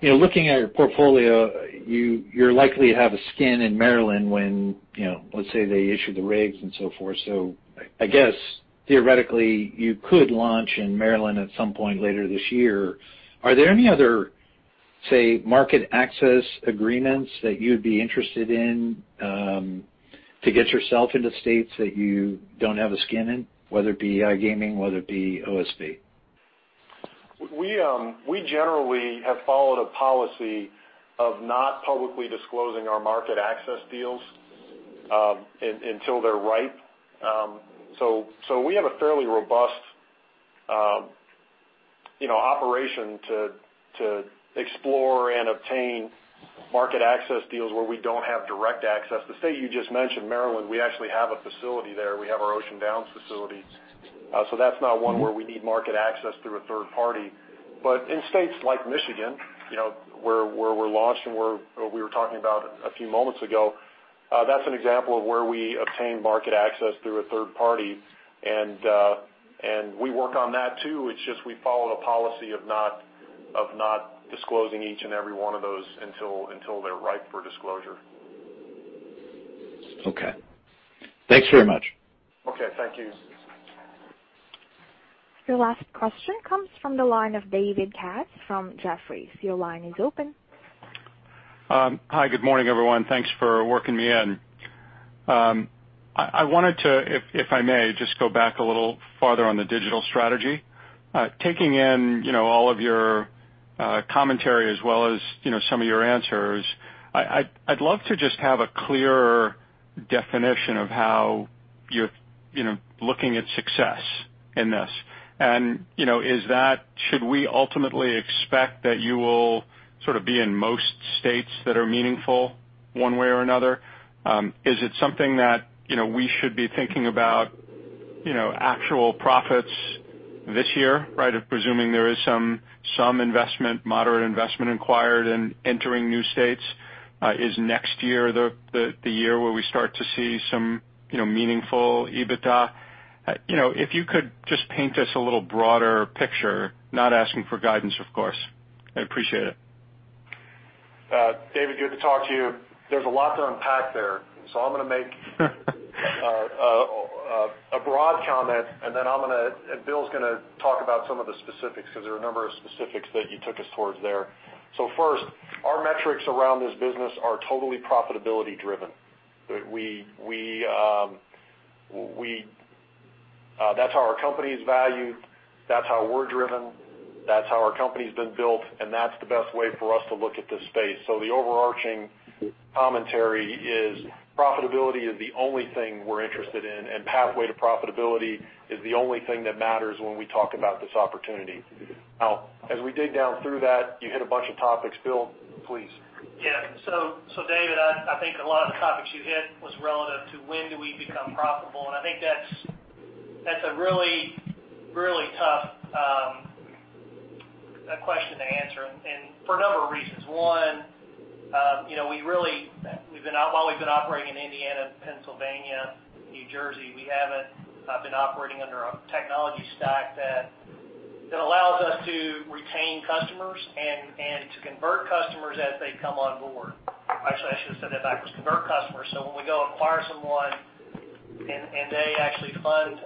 You know, looking at your portfolio, you, you're likely to have a skin in Maryland when, you know, let's say, they issue the regs and so forth. So I guess, theoretically, you could launch in Maryland at some point later this year. Are there any other, say, market access agreements that you'd be interested in, to get yourself into states that you don't have a skin in, whether it be iGaming, whether it be OSB? We generally have followed a policy of not publicly disclosing our market access deals until they're ripe. So we have a fairly robust, you know, operation to explore and obtain market access deals where we don't have direct access. The state you just mentioned, Maryland, we actually have a facility there. We have our Ocean Downs facility. So that's not one where we need market access through a third party. But in states like Michigan, you know, where we're launching, where we were talking about a few moments ago, that's an example of where we obtain market access through a third party. And we work on that, too. It's just we follow a policy of not disclosing each and every one of those until they're ripe for disclosure. Okay. Thanks very much. Okay. Thank you. Your last question comes from the line of David Katz from Jefferies. Your line is open. Hi, good morning, everyone. Thanks for working me in. I wanted to, if I may, just go back a little farther on the digital strategy. Taking in, you know, all of your commentary as well as, you know, some of your answers, I'd love to just have a clearer definition of how you're, you know, looking at success in this. And, you know, is that—should we ultimately expect that you will sort of be in most states that are meaningful, one way or another? Is it something that, you know, we should be thinking about, you know, actual profits this year, right? Or presuming there is some investment, moderate investment incurred in entering new states. Is next year the year where we start to see some, you know, meaningful EBITDA? You know, if you could just paint us a little broader picture, not asking for guidance, of course. I appreciate it. David, good to talk to you. There's a lot to unpack there, so I'm gonna make a broad comment, and then I'm gonna and Bill's gonna talk about some of the specifics, 'cause there are a number of specifics that you took us towards there. So first, our metrics around this business are totally profitability driven. We, that's how our company is valued, that's how we're driven, that's how our company's been built, and that's the best way for us to look at this space. So the overarching commentary is profitability is the only thing we're interested in, and pathway to profitability is the only thing that matters when we talk about this opportunity. Now, as we dig down through that, you hit a bunch of topics. Bill, please. Yeah. So, David, I think a lot of the topics you hit was relative to when do we become profitable? And I think that's a really tough question to answer, and for a number of reasons. One, you know, we've been, while we've been operating in Indiana, Pennsylvania, New Jersey, we haven't been operating under a technology stack that allows us to retain customers and to convert customers as they come on board. Actually, I should have said that backwards: convert customers. So when we go acquire someone and they actually fund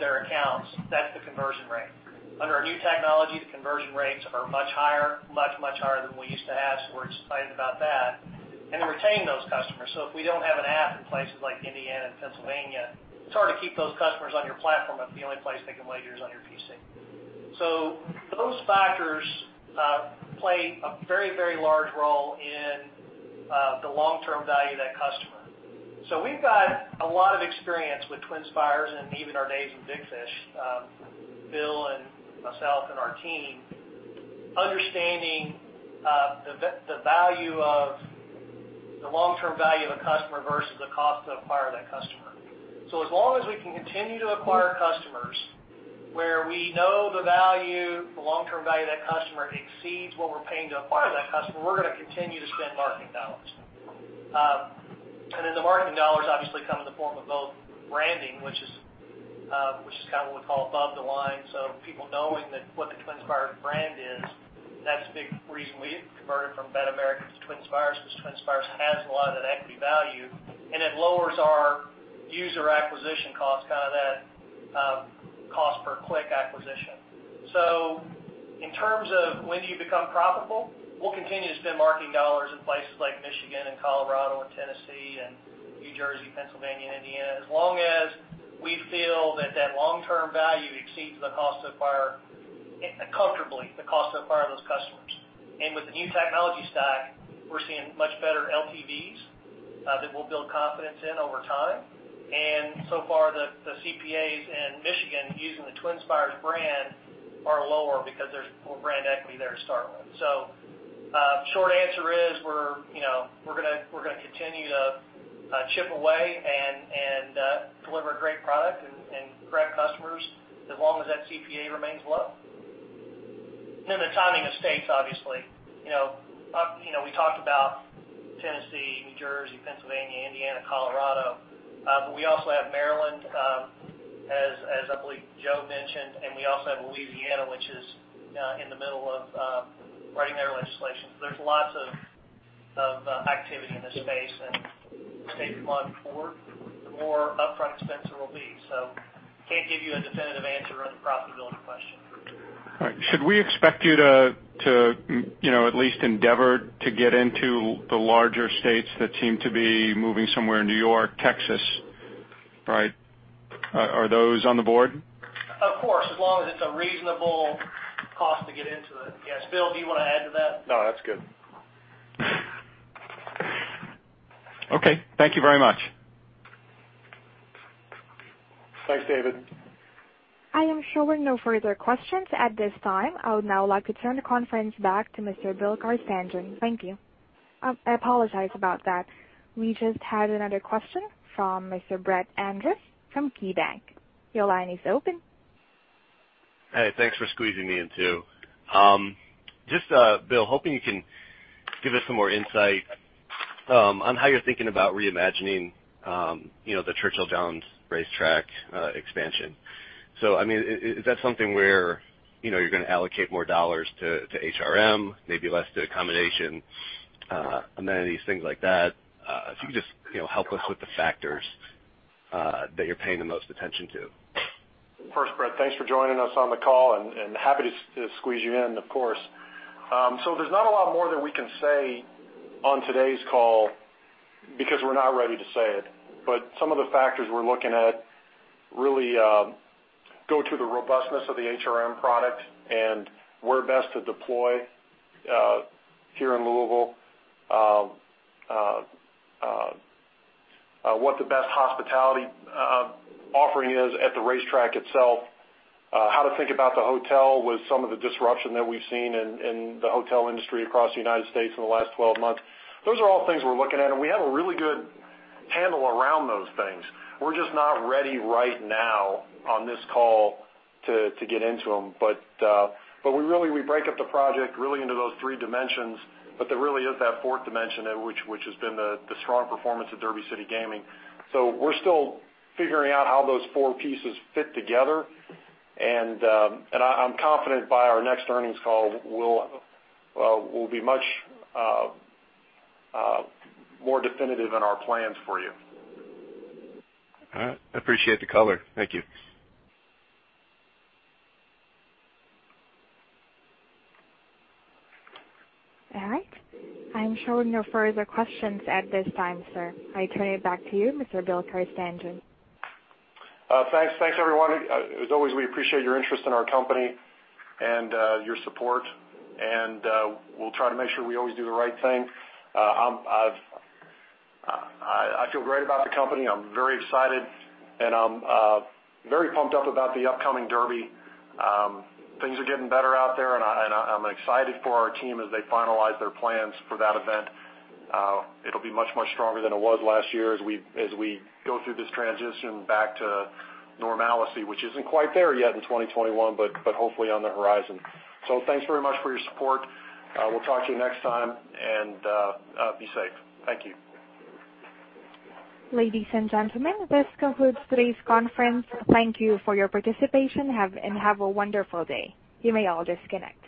their accounts, that's the conversion rate. Under our new technology, the conversion rates are much higher, much higher than we used to have, so we're excited about that, and to retain those customers. So if we don't have an app in places like Indiana and Pennsylvania, it's hard to keep those customers on your platform if the only place they can wager is on your PC. So those factors play a very, very large role in the long-term value of that customer. So we've got a lot of experience with TwinSpires and even our days in Big Fish, Bill and myself and our team, understanding the value of the long-term value of a customer versus the cost to acquire that customer. So as long as we can continue to acquire customers where we know the value, the long-term value of that customer exceeds what we're paying to acquire that customer, we're gonna continue to spend marketing dollars. And then the marketing dollars obviously come in the form of both branding, which is, which is kind of what we call above the line, so people knowing that what the TwinSpires brand is, that's a big reason we converted from BetAmerica to TwinSpires, because TwinSpires has a lot of that equity value, and it lowers our user acquisition costs, kind of that, cost per click acquisition. So in terms of when do you become profitable, we'll continue to spend marketing dollars in places like Michigan and Colorado and Tennessee and New Jersey, Pennsylvania, and Indiana, as long as we feel that that long-term value exceeds the cost to acquire, comfortably, the cost to acquire those customers. And with the new technology stack, we're seeing much better LTVs, that we'll build confidence in over time. And so far, the CPAs in Michigan using the TwinSpires brand are lower because there's more brand equity there to start with. So, short answer is we're, you know, we're gonna continue to chip away and that CPA remains low? And the timing of states, obviously, you know, we talked about Tennessee, New Jersey, Pennsylvania, Indiana, Colorado, but we also have Maryland, as I believe Joe mentioned, and we also have Louisiana, which is in the middle of writing their legislation. So there's lots of activity in this space, and as states move forward, the more upfront expense there will be. So can't give you a definitive answer on the profitability question. All right. Should we expect you to, you know, at least endeavor to get into the larger states that seem to be moving somewhere in New York, Texas, right? Are those on the board? Of course, as long as it's a reasonable cost to get into it, yes. Bill, do you want to add to that? No, that's good. Okay. Thank you very much. Thanks, David. I am showing no further questions at this time. I would now like to turn the conference back to Mr. Bill Carstanjen. Thank you. I apologize about that. We just had another question from Mr. Brett Andress from KeyBanc. Your line is open. Hey, thanks for squeezing me in, too. Just, Bill, hoping you can give us some more insight, on how you're thinking about reimagining, you know, the Churchill Downs Racetrack, expansion. So, I mean, is that something where, you know, you're gonna allocate more dollars to, to HRM, maybe less to accommodation, amenities, things like that? If you could just, you know, help us with the factors, that you're paying the most attention to. First, Brett, thanks for joining us on the call, and happy to squeeze you in, of course. So there's not a lot more that we can say on today's call because we're not ready to say it. But some of the factors we're looking at really go to the robustness of the HRM product and where best to deploy here in Louisville. What the best hospitality offering is at the racetrack itself, how to think about the hotel with some of the disruption that we've seen in the hotel industry across the United States in the last 12 months. Those are all things we're looking at, and we have a really good handle around those things. We're just not ready right now on this call to get into them. But we really break up the project really into those three dimensions, but there really is that fourth dimension, which has been the strong performance of Derby City Gaming. So we're still figuring out how those four pieces fit together, and I'm confident by our next earnings call, we'll be much more definitive in our plans for you. All right. I appreciate the color. Thank you. All right. I'm showing no further questions at this time, sir. I turn it back to you, Mr. Bill Carstanjen. Thanks. Thanks, everyone. As always, we appreciate your interest in our company and your support, and we'll try to make sure we always do the right thing. I feel great about the company. I'm very excited, and I'm very pumped up about the upcoming Derby. Things are getting better out there, and I'm excited for our team as they finalize their plans for that event. It'll be much, much stronger than it was last year as we go through this transition back to normalcy, which isn't quite there yet in 2021, but hopefully on the horizon. So thanks very much for your support. We'll talk to you next time, and be safe. Thank you. Ladies and gentlemen, this concludes today's conference. Thank you for your participation. Have a wonderful day. You may all disconnect.